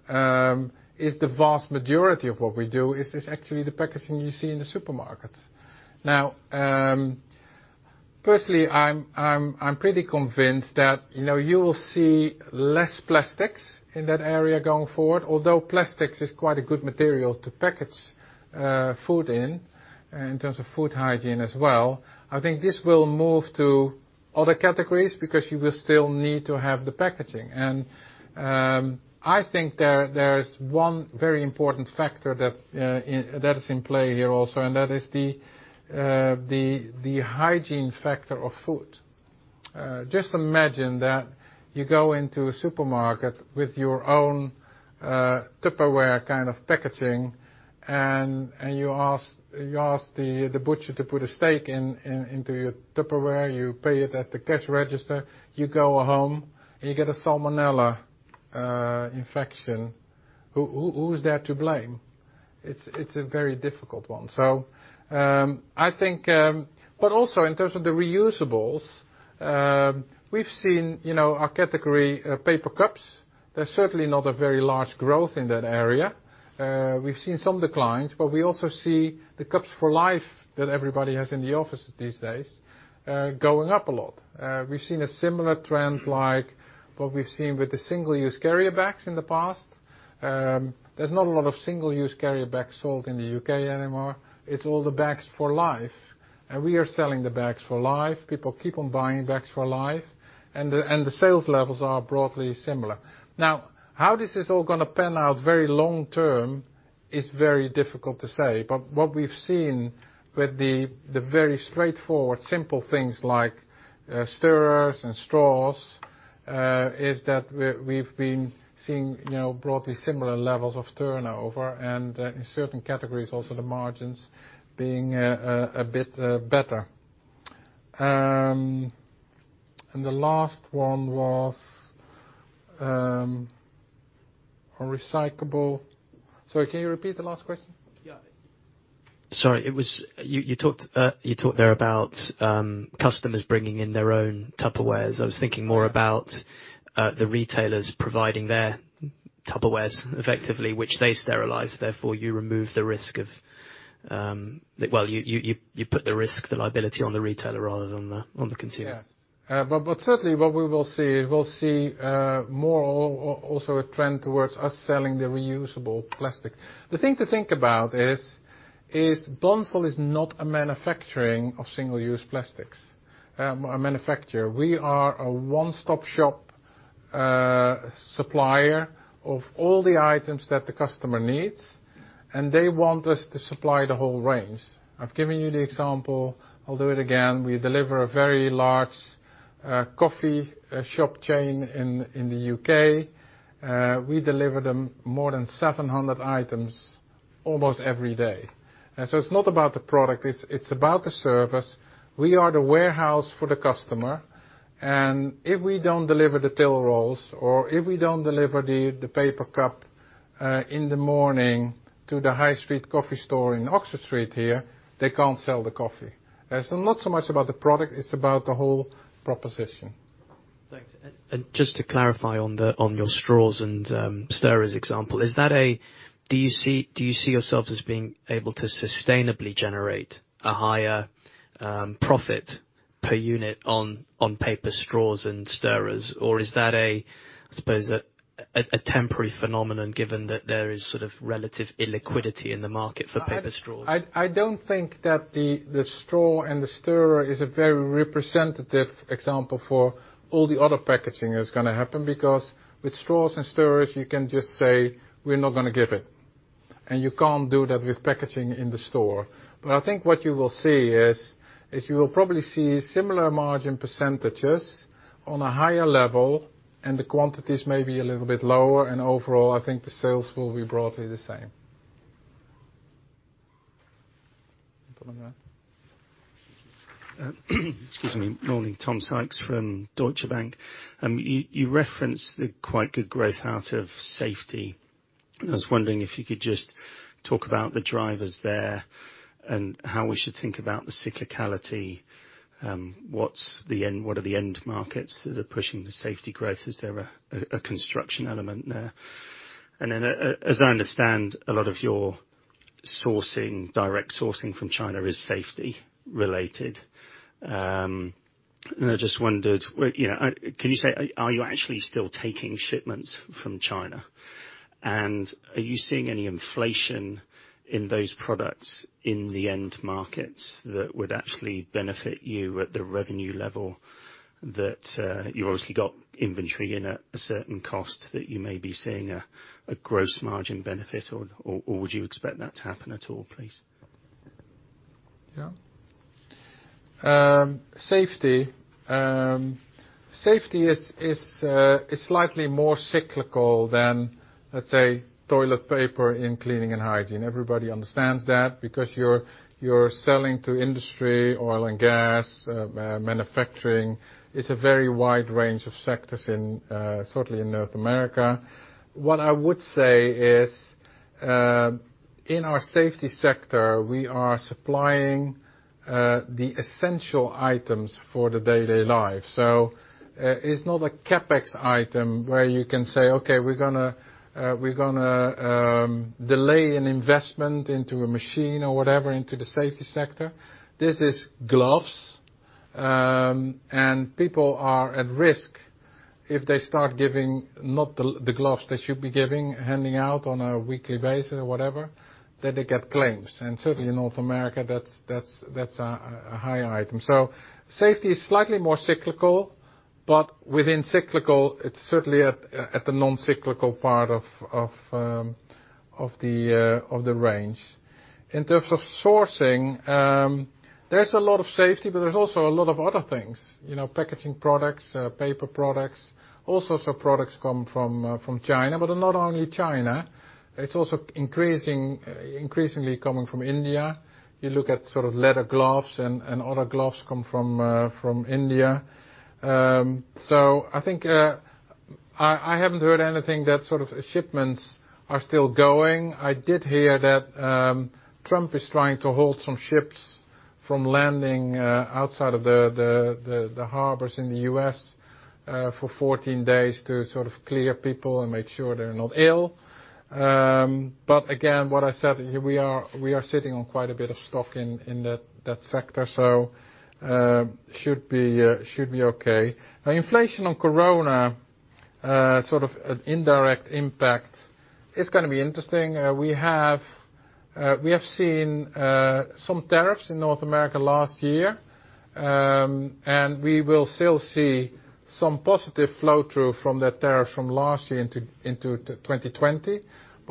is the vast majority of what we do. It's actually the packaging you see in the supermarkets. Personally, I'm pretty convinced that you will see less plastics in that area going forward. Although plastics is quite a good material to package food in terms of food hygiene as well, I think this will move to other categories because you will still need to have the packaging. I think there is one very important factor that is in play here also, and that is the hygiene factor of food. Just imagine that you go into a supermarket with your own Tupperware kind of packaging, and you ask the butcher to put a steak into your Tupperware. You pay it at the cash register, you go home, and you get a salmonella infection. Who's there to blame? It's a very difficult one. Also, in terms of the reusables, we've seen our category of paper cups. There's certainly not a very large growth in that area. We've seen some declines, but we also see the cups for life that everybody has in the office these days going up a lot. We've seen a similar trend like what we've seen with the single-use carrier bags in the past. There's not a lot of single-use carrier bags sold in the U.K. anymore. It's all the bags for life. We are selling the bags for life. People keep on buying bags for life, and the sales levels are broadly similar. How this is all going to pan out very long term is very difficult to say. What we've seen with the very straightforward, simple things like stirrers and straws, is that we've been seeing broadly similar levels of turnover, and in certain categories also the margins being a bit better. The last one was on recyclable. Sorry, can you repeat the last question? Yeah. Sorry. You talked there about customers bringing in their own Tupperware. I was thinking more about the retailers providing their Tupperware effectively, which they sterilize. You remove the risk of, well, you put the risk, the liability on the retailer rather than on the consumer. Yes. Certainly what we will see, we'll see more also a trend towards us selling the reusable plastic. The thing to think about is Bunzl is not a manufacturer of single-use plastics. We are a one-stop shop supplier of all the items that the customer needs, and they want us to supply the whole range. I've given you the example. I'll do it again. We deliver a very large coffee shop chain in the U.K. We deliver them more than 700 items almost every day. It's not about the product, it's about the service. We are the warehouse for the customer, and if we don't deliver the till rolls, or if we don't deliver the paper cup in the morning to the High Street Coffee store in Oxford Street here, they can't sell the coffee. It's not so much about the product, it's about the whole proposition. Thanks. Just to clarify on your straws and stirrers example. Do you see yourselves as being able to sustainably generate a higher profit per unit on paper straws and stirrers? Is that a, I suppose, a temporary phenomenon given that there is sort of relative illiquidity in the market for paper straws? I don't think that the straw and the stirrer is a very representative example for all the other packaging that's going to happen, because with straws and stirrers, you can just say, "We're not going to give in." You can't do that with packaging in the store. I think what you will see is, you will probably see similar margin percentages on a higher level, and the quantities may be a little bit lower. Overall, I think the sales will be broadly the same. Excuse me. Morning. Tom Sykes from Deutsche Bank. You referenced the quite good growth out of safety. I was wondering if you could just talk about the drivers there, and how we should think about the cyclicality. What are the end markets that are pushing the safety growth? Is there a construction element there? As I understand, a lot of your direct sourcing from China is safety related. I just wondered, can you say, are you actually still taking shipments from China? Are you seeing any inflation in those products in the end markets that would actually benefit you at the revenue level that you've obviously got inventory in at a certain cost that you may be seeing a gross margin benefit, or would you expect that to happen at all, please? Safety is slightly more cyclical than, let's say, toilet paper in cleaning and hygiene. Everybody understands that because you're selling to industry, oil and gas, manufacturing. It's a very wide range of sectors certainly in North America. What I would say is, in our safety sector, we are supplying the essential items for the daily life. It's not a CapEx item where you can say, okay, we're going to delay an investment into a machine or whatever, into the safety sector. This is gloves. People are at risk if they start giving not the gloves they should be giving, handing out on a weekly basis or whatever, then they get claims. Certainly in North America, that's a high item. Safety is slightly more cyclical, but within cyclical, it's certainly at the non-cyclical part of the range. In terms of sourcing, there's a lot of safety, but there's also a lot of other things. Packaging products, paper products, all sorts of products come from China, but not only China. It's also increasingly coming from India. You look at leather gloves and other gloves come from India. I think I haven't heard anything that sort of shipments are still going. I did hear that Trump is trying to halt some ships from landing outside of the harbors in the U.S. for 14 days to sort of clear people and make sure they're not ill. Again, what I said, we are sitting on quite a bit of stock in that sector so should be okay. Inflation on coronavirus, sort of an indirect impact. It's going to be interesting. We have seen some tariffs in North America last year. We will still see some positive flow-through from that tariff from last year into 2020.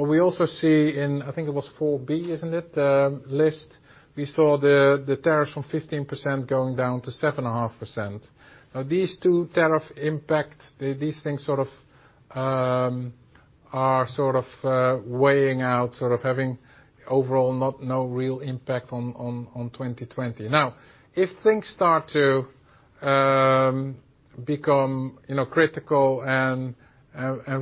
We also see in, I think it was List 4B, isn't it, the list? We saw the tariffs from 15% going down to 7.5%. These two tariff impact, these things are sort of weighing out, sort of having overall no real impact on 2020. If things start to become critical and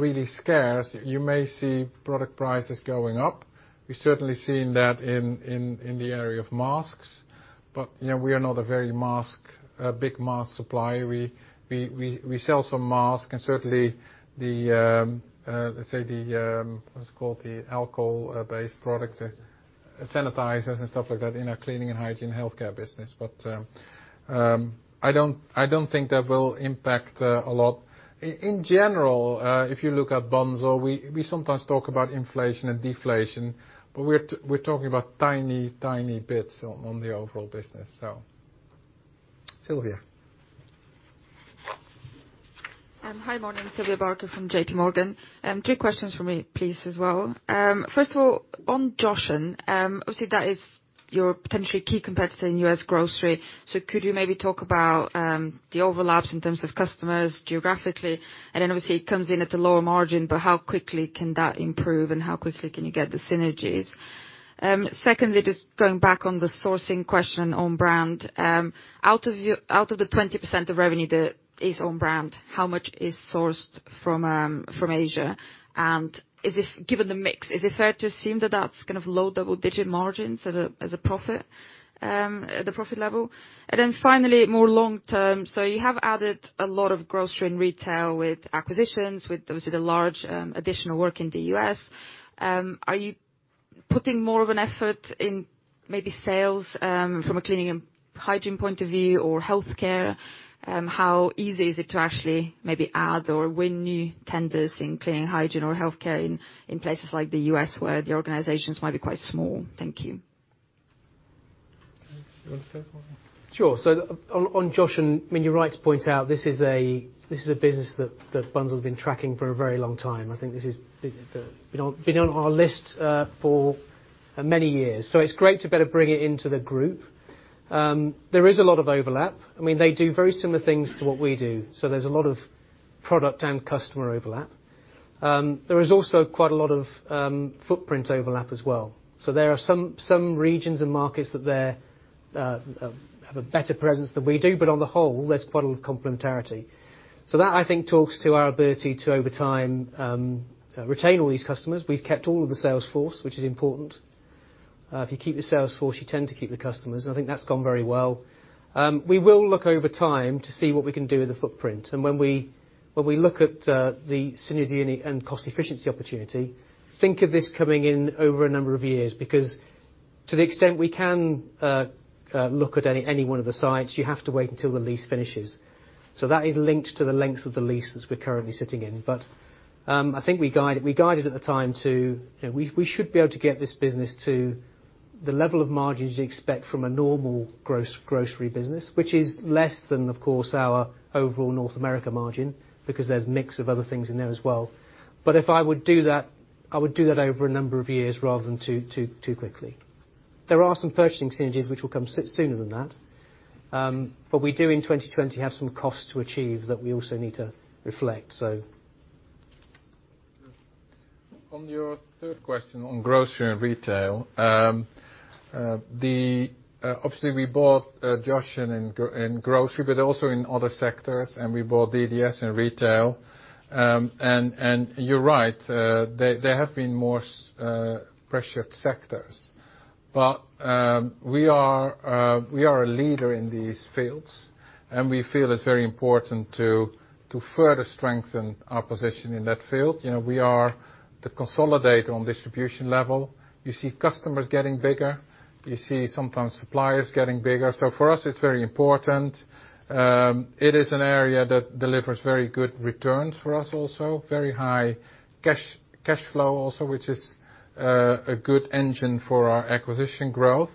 really scarce, you may see product prices going up. We've certainly seen that in the area of masks. We are not a very big mask supplier. We sell some mask and certainly the, let's say the, what's it called, the alcohol-based product, sanitizers and stuff like that in our cleaning and hygiene healthcare business. I don't think that will impact a lot. In general, if you look at Bunzl, we sometimes talk about inflation and deflation, but we're talking about tiny bits on the overall business, so. Sylvia. Hi, morning. Sylvia Barker from J.P. Morgan. Three questions from me, please, as well. First of all, on Joshen, obviously that is your potentially key competitor in U.S. grocery. Could you maybe talk about the overlaps in terms of customers geographically? Obviously it comes in at a lower margin, but how quickly can that improve and how quickly can you get the synergies? Secondly, just going back on the sourcing question on brand. Out of the 20% of revenue that is on brand, how much is sourced from Asia? Given the mix, is it fair to assume that that's going to have low double-digit margins as a profit, at the profit level? Finally, more long term, you have added a lot of grocery and retail with acquisitions, with obviously the large additional work in the U.S. Are you putting more of an effort in maybe sales from a cleaning and hygiene point of view or healthcare? How easy is it to actually maybe add or win new tenders in cleaning, hygiene, or healthcare in places like the U.S. where the organizations might be quite small? Thank you. You want to start? Sure. On Joshen, you're right to point out, this is a business that Bunzl's been tracking for a very long time. I think this has been on our list for many years. It's great to better bring it into the group. There is a lot of overlap. They do very similar things to what we do. There's a lot of product and customer overlap. There is also quite a lot of footprint overlap as well. There are some regions and markets that have a better presence than we do, but on the whole, there's quite a lot of complementarity. That I think talks to our ability to, over time, retain all these customers. We've kept all of the sales force, which is important. If you keep the sales force, you tend to keep the customers, and I think that's gone very well. We will look over time to see what we can do with the footprint. When we look at the synergy and cost efficiency opportunity, think of this coming in over a number of years because. To the extent we can look at any one of the sites, you have to wait until the lease finishes. That is linked to the length of the lease as we're currently sitting in. I think we guided at the time to, we should be able to get this business to the level of margins you'd expect from a normal grocery business, which is less than, of course, our overall North America margin, because there's mix of other things in there as well. If I would do that, I would do that over a number of years rather than too quickly. There are some purchasing synergies which will come sooner than that. We do, in 2020, have some costs to achieve that we also need to reflect. On your third question on grocery and retail. Obviously, we bought Joshen in grocery, but also in other sectors, and we bought DDS in retail. You're right, there have been more pressured sectors. We are a leader in these fields, and we feel it's very important to further strengthen our position in that field. We are the consolidator on distribution level. You see customers getting bigger. You see sometimes suppliers getting bigger. For us, it's very important. It is an area that delivers very good returns for us also. Very high cash flow also, which is a good engine for our acquisition growth.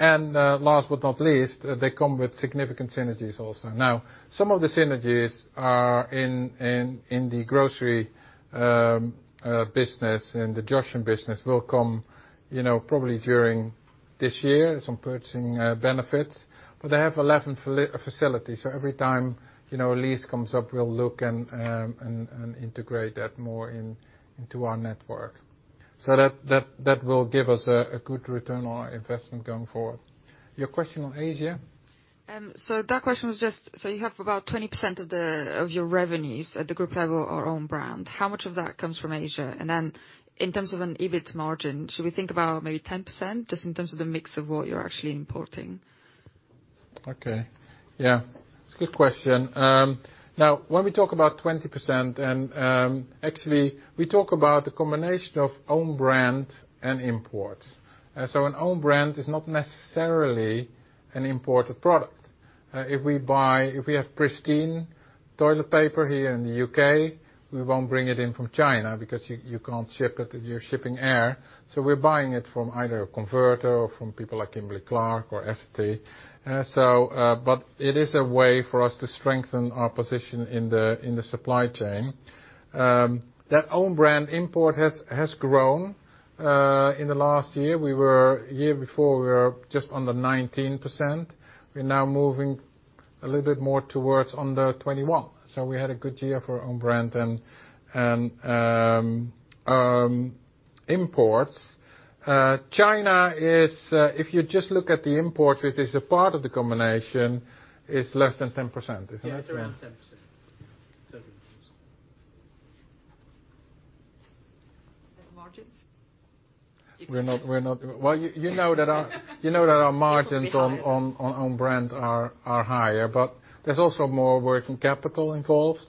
Last but not least, they come with significant synergies also. Now, some of the synergies are in the grocery business and the Joshen business will come probably during this year, some purchasing benefits. They have 11 facilities, so every time a lease comes up, we'll look and integrate that more into our network. That will give us a good return on our investment going forward. Your question on Asia? That question was just, so you have about 20% of your revenues at the group level are own brand. How much of that comes from Asia? In terms of an EBIT margin, should we think about maybe 10%, just in terms of the mix of what you're actually importing? Okay. Yeah. It's a good question. When we talk about 20%, actually, we talk about the combination of own brand and imports. An own brand is not necessarily an imported product. If we have Pristine toilet paper here in the U.K., we won't bring it in from China because you're shipping air. We're buying it from either a converter or from people like Kimberly-Clark or SCA. It is a way for us to strengthen our position in the supply chain. That own brand import has grown. In the last year before we were just under 19%, we're now moving a little bit more towards under 21%. We had a good year for own brand and imports. China is, if you just look at the imports, which is a part of the combination, is less than 10%, isn't it? Yeah, it's around 10%. Margins? Well, you know that our margins- It could be higher. on own brand are higher, there's also more working capital involved.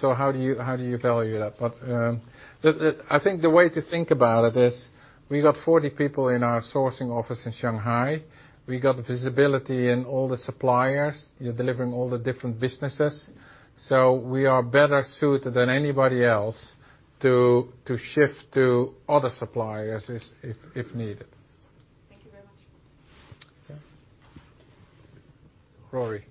How do you value that? I think the way to think about it is we got 40 people in our sourcing office in Shanghai. We got visibility in all the suppliers. You're delivering all the different businesses. We are better suited than anybody else to shift to other suppliers if needed. Thank you very much. Okay. Rory.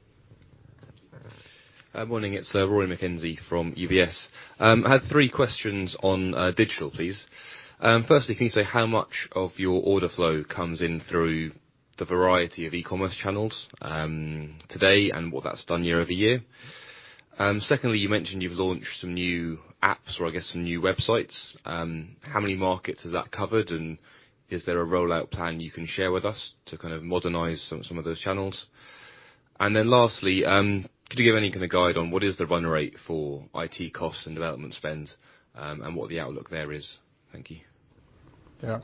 Morning, it's Rory McKenzie from UBS. I had three questions on digital, please. Firstly, can you say how much of your order flow comes in through the variety of e-commerce channels today and what that's done year-over-year? Secondly, you mentioned you've launched some new apps or I guess some new websites. How many markets has that covered? Is there a rollout plan you can share with us to kind of modernize some of those channels? Lastly, could you give any kind of guide on what is the run rate for IT costs and development spend, and what the outlook there is? Thank you. Yeah.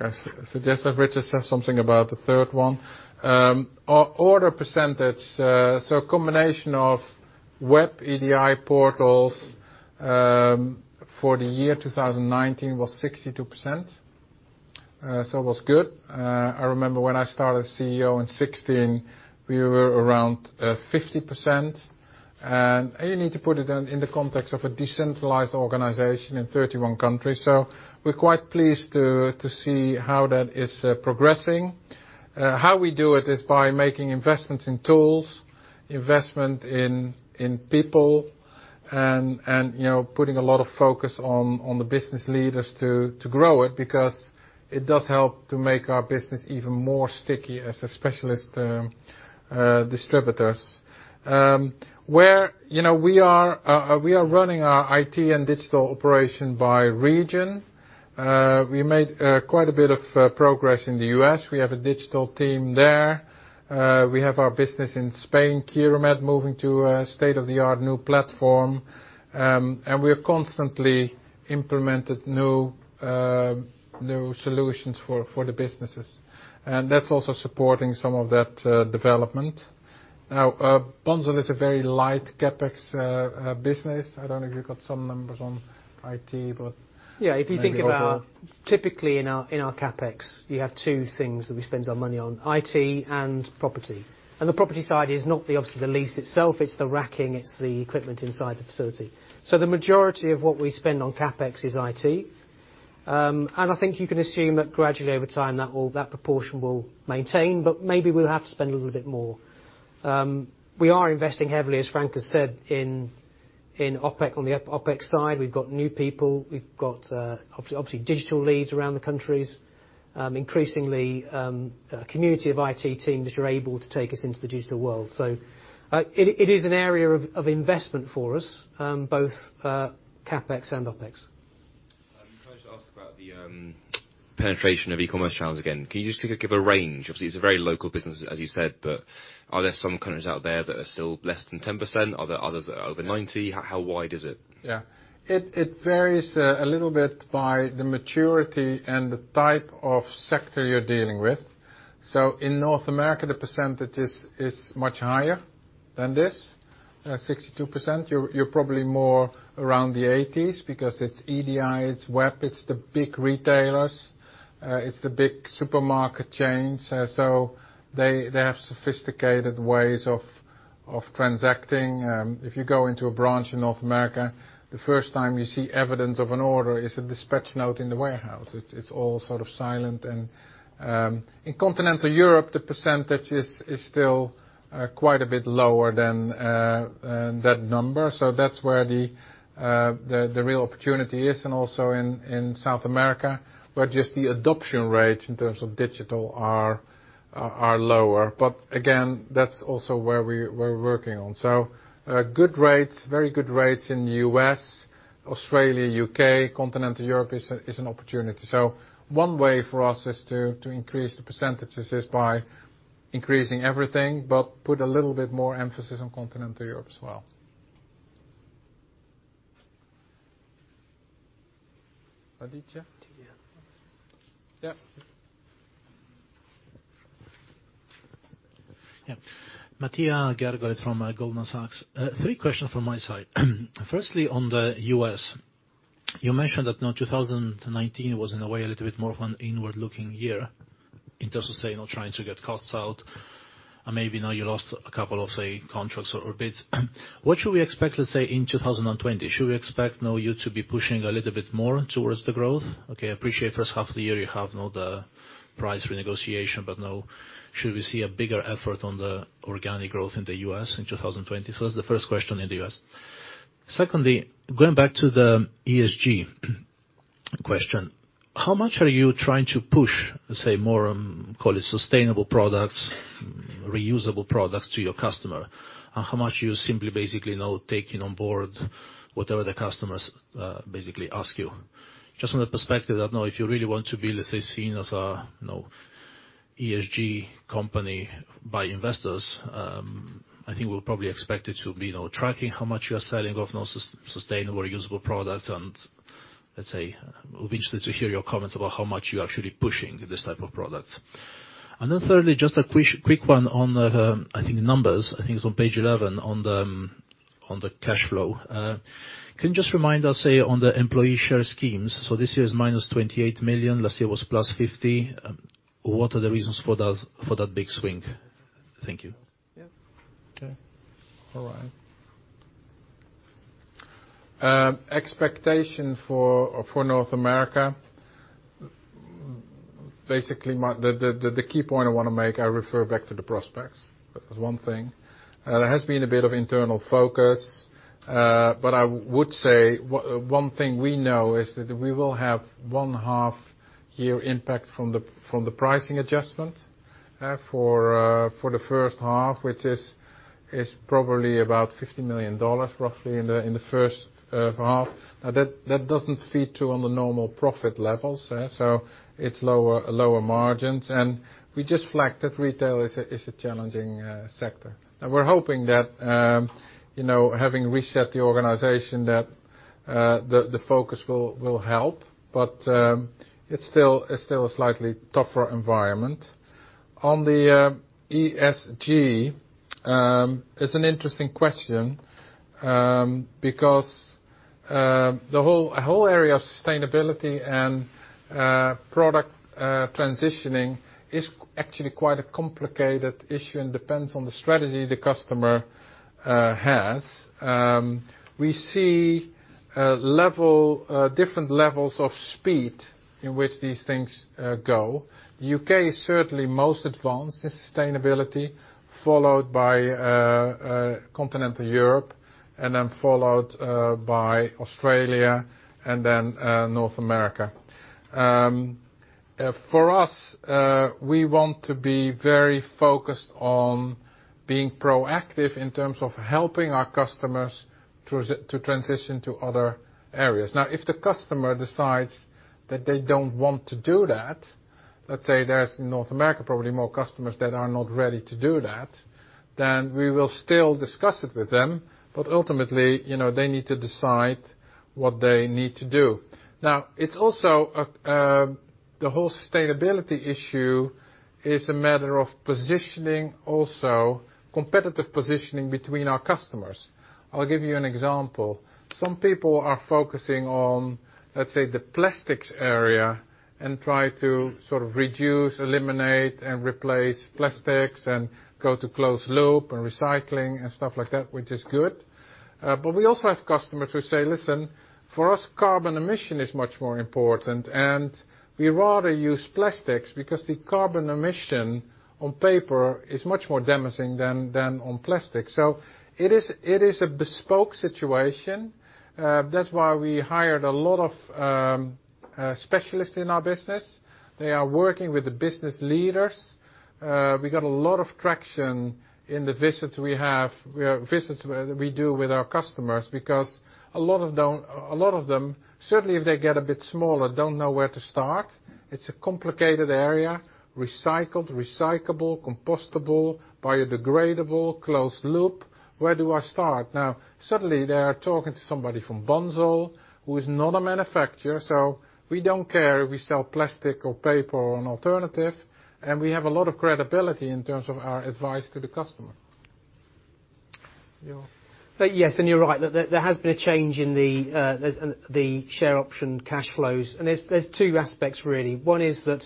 I suggest that Richard says something about the third one. Order percentage. Combination of web EDI portals for the year 2019 was 62%. It was good. I remember when I started CEO in 2016, we were around 50%. You need to put it in the context of a decentralized organization in 31 countries. We're quite pleased to see how that is progressing. How we do it is by making investments in tools, investment in people, and putting a lot of focus on the business leaders to grow it because it does help to make our business even more sticky as a specialist distributors. We are running our IT and digital operation by region. We made quite a bit of progress in the U.S. We have a digital team there. We have our business in Spain, Quirumed, moving to a state-of-the-art new platform. We have constantly implemented new solutions for the businesses. That's also supporting some of that development. Now, Bunzl is a very light CapEx business. I don't know if you've got some numbers on IT, but maybe overall. Yeah, if you think of typically in our CapEx, you have two things that we spend our money on, IT and property. The property side is not obviously the lease itself, it's the racking, it's the equipment inside the facility. The majority of what we spend on CapEx is IT. I think you can assume that gradually over time, that proportion will maintain, but maybe we'll have to spend a little bit more. We are investing heavily, as Frank has said, on the OpEx side. We've got new people. We've got, obviously, digital leads around the countries. Increasingly, community of IT teams that are able to take us into the digital world. It is an area of investment for us, both CapEx and OpEx. I'm going to ask about the penetration of e-commerce channels again. Can you just give a range? Obviously, it's a very local business, as you said, but are there some countries out there that are still less than 10%? Are there others that are over 90%? How wide is it? Yeah. It varies a little bit by the maturity and the type of sector you're dealing with. In North America, the percentage is much higher than this, 62%. You're probably more around the 80s because it's EDI, it's web, it's the big retailers, it's the big supermarket chains. They have sophisticated ways of transacting. If you go into a branch in North America, the first time you see evidence of an order is a dispatch note in the warehouse. It's all sort of silent. In continental Europe, the percentage is still quite a bit lower than that number. That's where the real opportunity is, and also in South America. Just the adoption rates in terms of digital are lower. Again, that's also where we're working on. Good rates, very good rates in U.S., Australia, U.K. Continental Europe is an opportunity. One way for us is to increase the percentages is by increasing everything, but put a little bit more emphasis on continental Europe as well. Matija? Yeah. Yeah. Matija Gergolet from Goldman Sachs. Three questions from my side. Firstly, on the U.S. You mentioned that now 2019 was in a way a little bit more of an inward-looking year in terms of, say, now trying to get costs out, and maybe now you lost a couple of, say, contracts or bids. What should we expect, let's say, in 2020? Should we expect now you to be pushing a little bit more towards the growth? Okay, I appreciate H1 of the year, you have now the price renegotiation, now should we see a bigger effort on the organic growth in the U.S. in 2020? That's the first question in the U.S. Secondly, going back to the ESG question, how much are you trying to push, say, more call it sustainable products, reusable products to your customer? How much you simply now taking on board whatever the customers ask you? Just from the perspective that if you really want to be, let's say, seen as an ESG company by investors, I think we'll probably expect it to be now tracking how much you are selling of sustainable or reusable products and, let's say, we'll be interested to hear your comments about how much you're actually pushing this type of product. Thirdly, just a quick one on the, I think, numbers. I think it's on page 11 on the cash flow. Can you just remind us, say, on the employee share schemes, so this year is -28 million. Last year was +50 million. What are the reasons for that big swing? Thank you. Yeah. Okay. All right. Expectation for North America. Basically, the key point I want to make, I refer back to the prospects. That was one thing. There has been a bit of internal focus. I would say one thing we know is that we will have one half-year impact from the pricing adjustment for the H1, which is probably about GBP 50 million roughly in the H1. That doesn't feed to on the normal profit levels. It's lower margins. We just flagged that retail is a challenging sector. We're hoping that having reset the organization, that the focus will help. It's still a slightly tougher environment. On the ESG, it's an interesting question, because the whole area of sustainability and product transitioning is actually quite a complicated issue and depends on the strategy the customer has. We see different levels of speed in which these things go. The U.K. is certainly most advanced in sustainability, followed by Continental Europe, and then followed by Australia, and then North America. For us, we want to be very focused on being proactive in terms of helping our customers to transition to other areas. Now, if the customer decides that they don't want to do that, let's say there's North America, probably more customers that are not ready to do that, then we will still discuss it with them. Ultimately, they need to decide what they need to do. Now, it's also The whole sustainability issue is a matter of positioning also, competitive positioning between our customers. I'll give you an example. Some people are focusing on, let's say, the plastics area and try to sort of reduce, eliminate, and replace plastics and go to closed loop and recycling and stuff like that, which is good. We also have customers who say, "Listen, for us, carbon emission is much more important, and we rather use plastics because the carbon emission on paper is much more damaging than on plastic." It is a bespoke situation. That's why we hired a lot of specialists in our business. They are working with the business leaders. We got a lot of traction in the visits we do with our customers, because a lot of them, certainly if they get a bit smaller, don't know where to start. It's a complicated area. Recycled, recyclable, compostable, biodegradable, closed loop. Where do I start? Suddenly they are talking to somebody from Bunzl who is not a manufacturer. We don't care if we sell plastic or paper or an alternative, and we have a lot of credibility in terms of our advice to the customer. Yeah. Yes, you're right. There has been a change in the share option cash flows. There's two aspects really. One is that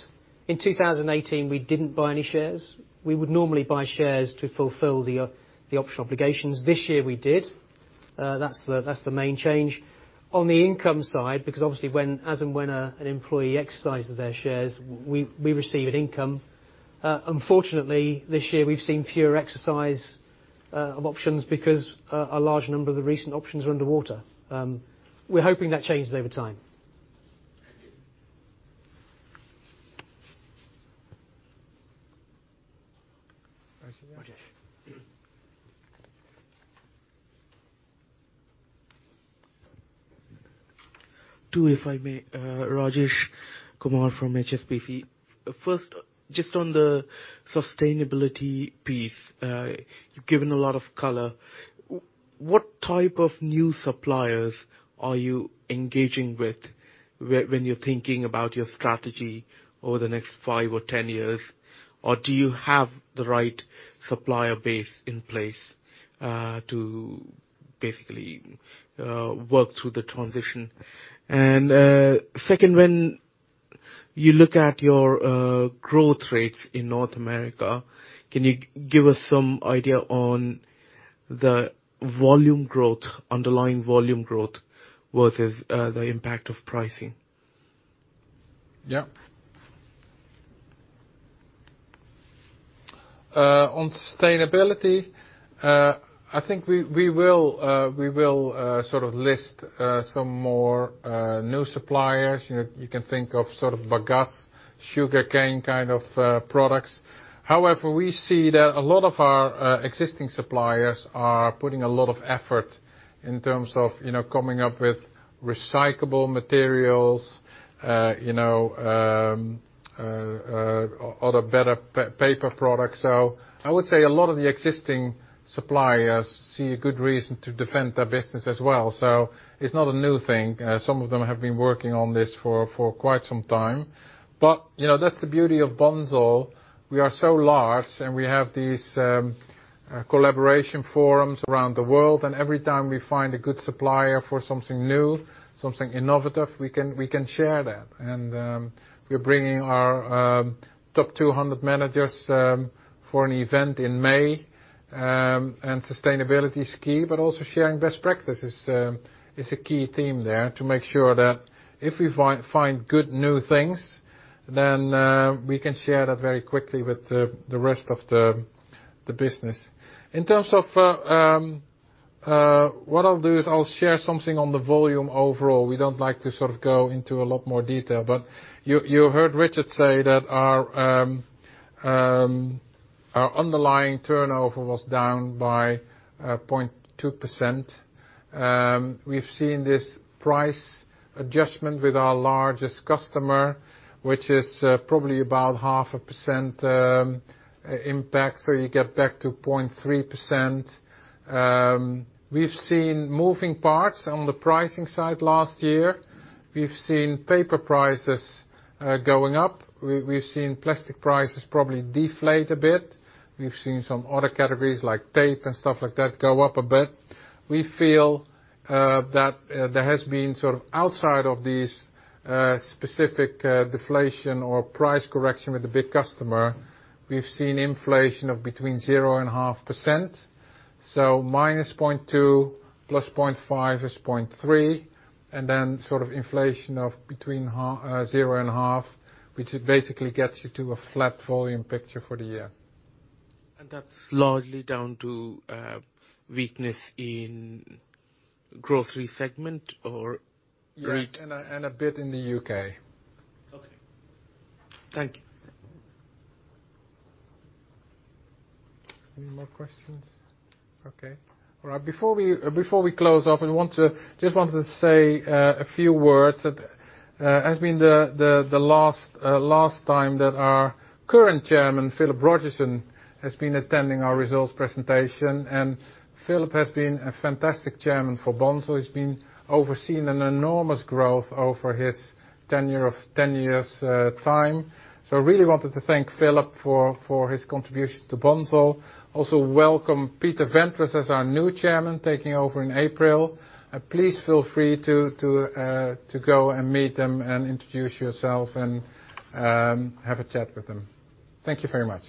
in 2018, we didn't buy any shares. We would normally buy shares to fulfill the option obligations. This year we did. That's the main change. On the income side, because obviously as and when an employee exercises their shares, we receive an income. Unfortunately, this year we've seen fewer exercise of options because a large number of the recent options are underwater. We're hoping that changes over time. Rajesh. Two, if I may. Rajesh Kumar from HSBC. First, just on the sustainability piece, you've given a lot of color. What type of new suppliers are you engaging with when you're thinking about your strategy over the next five or 10 years? Do you have the right supplier base in place to basically work through the transition? Second, when you look at your growth rates in North America, can you give us some idea on the volume growth, underlying volume growth versus the impact of pricing? Yeah. On sustainability, I think we will sort of list some more new suppliers. You can think of sort of bagasse, sugarcane kind of products. We see that a lot of our existing suppliers are putting a lot of effort in terms of coming up with recyclable materials, other better paper products. I would say a lot of the existing suppliers see a good reason to defend their business as well. It's not a new thing. Some of them have been working on this for quite some time. That's the beauty of Bunzl. We are so large, and we have these collaboration forums around the world. Every time we find a good supplier for something new, something innovative, we can share that. We're bringing our top 200 managers for an event in May, and sustainability is key, but also sharing best practices is a key theme there to make sure that if we find good new things, then we can share that very quickly with the rest of the business. What I'll do is I'll share something on the volume overall. We don't like to sort of go into a lot more detail. You heard Richard say that our underlying turnover was down by 0.2%. We've seen this price adjustment with our largest customer, which is probably about half a percent impact, you get back to 0.3%. We've seen moving parts on the pricing side last year. We've seen paper prices going up. We've seen plastic prices probably deflate a bit. We've seen some other categories like tape and stuff like that go up a bit. We feel that there has been sort of outside of these specific deflation or price correction with the big customer, we've seen inflation of between 0% and 0.5%. -0.2 + 0.5 is 0.3, and then sort of inflation of between 0% and 0.5%, which basically gets you to a flat volume picture for the year. That's largely down to weakness in grocery segment or retail? Yes, and a bit in the U.K. Okay. Thank you. Any more questions? Okay. All right. Before we close off, I just wanted to say a few words. It has been the last time that our current chairman, Philip Rogerson, has been attending our results presentation. Philip has been a fantastic chairman for Bunzl. He's been overseeing an enormous growth over his tenure of 10 years' time. Really wanted to thank Philip for his contributions to Bunzl. Also welcome Peter Ventress as our new chairman taking over in April. Please feel free to go and meet them and introduce yourself and have a chat with him. Thank you very much.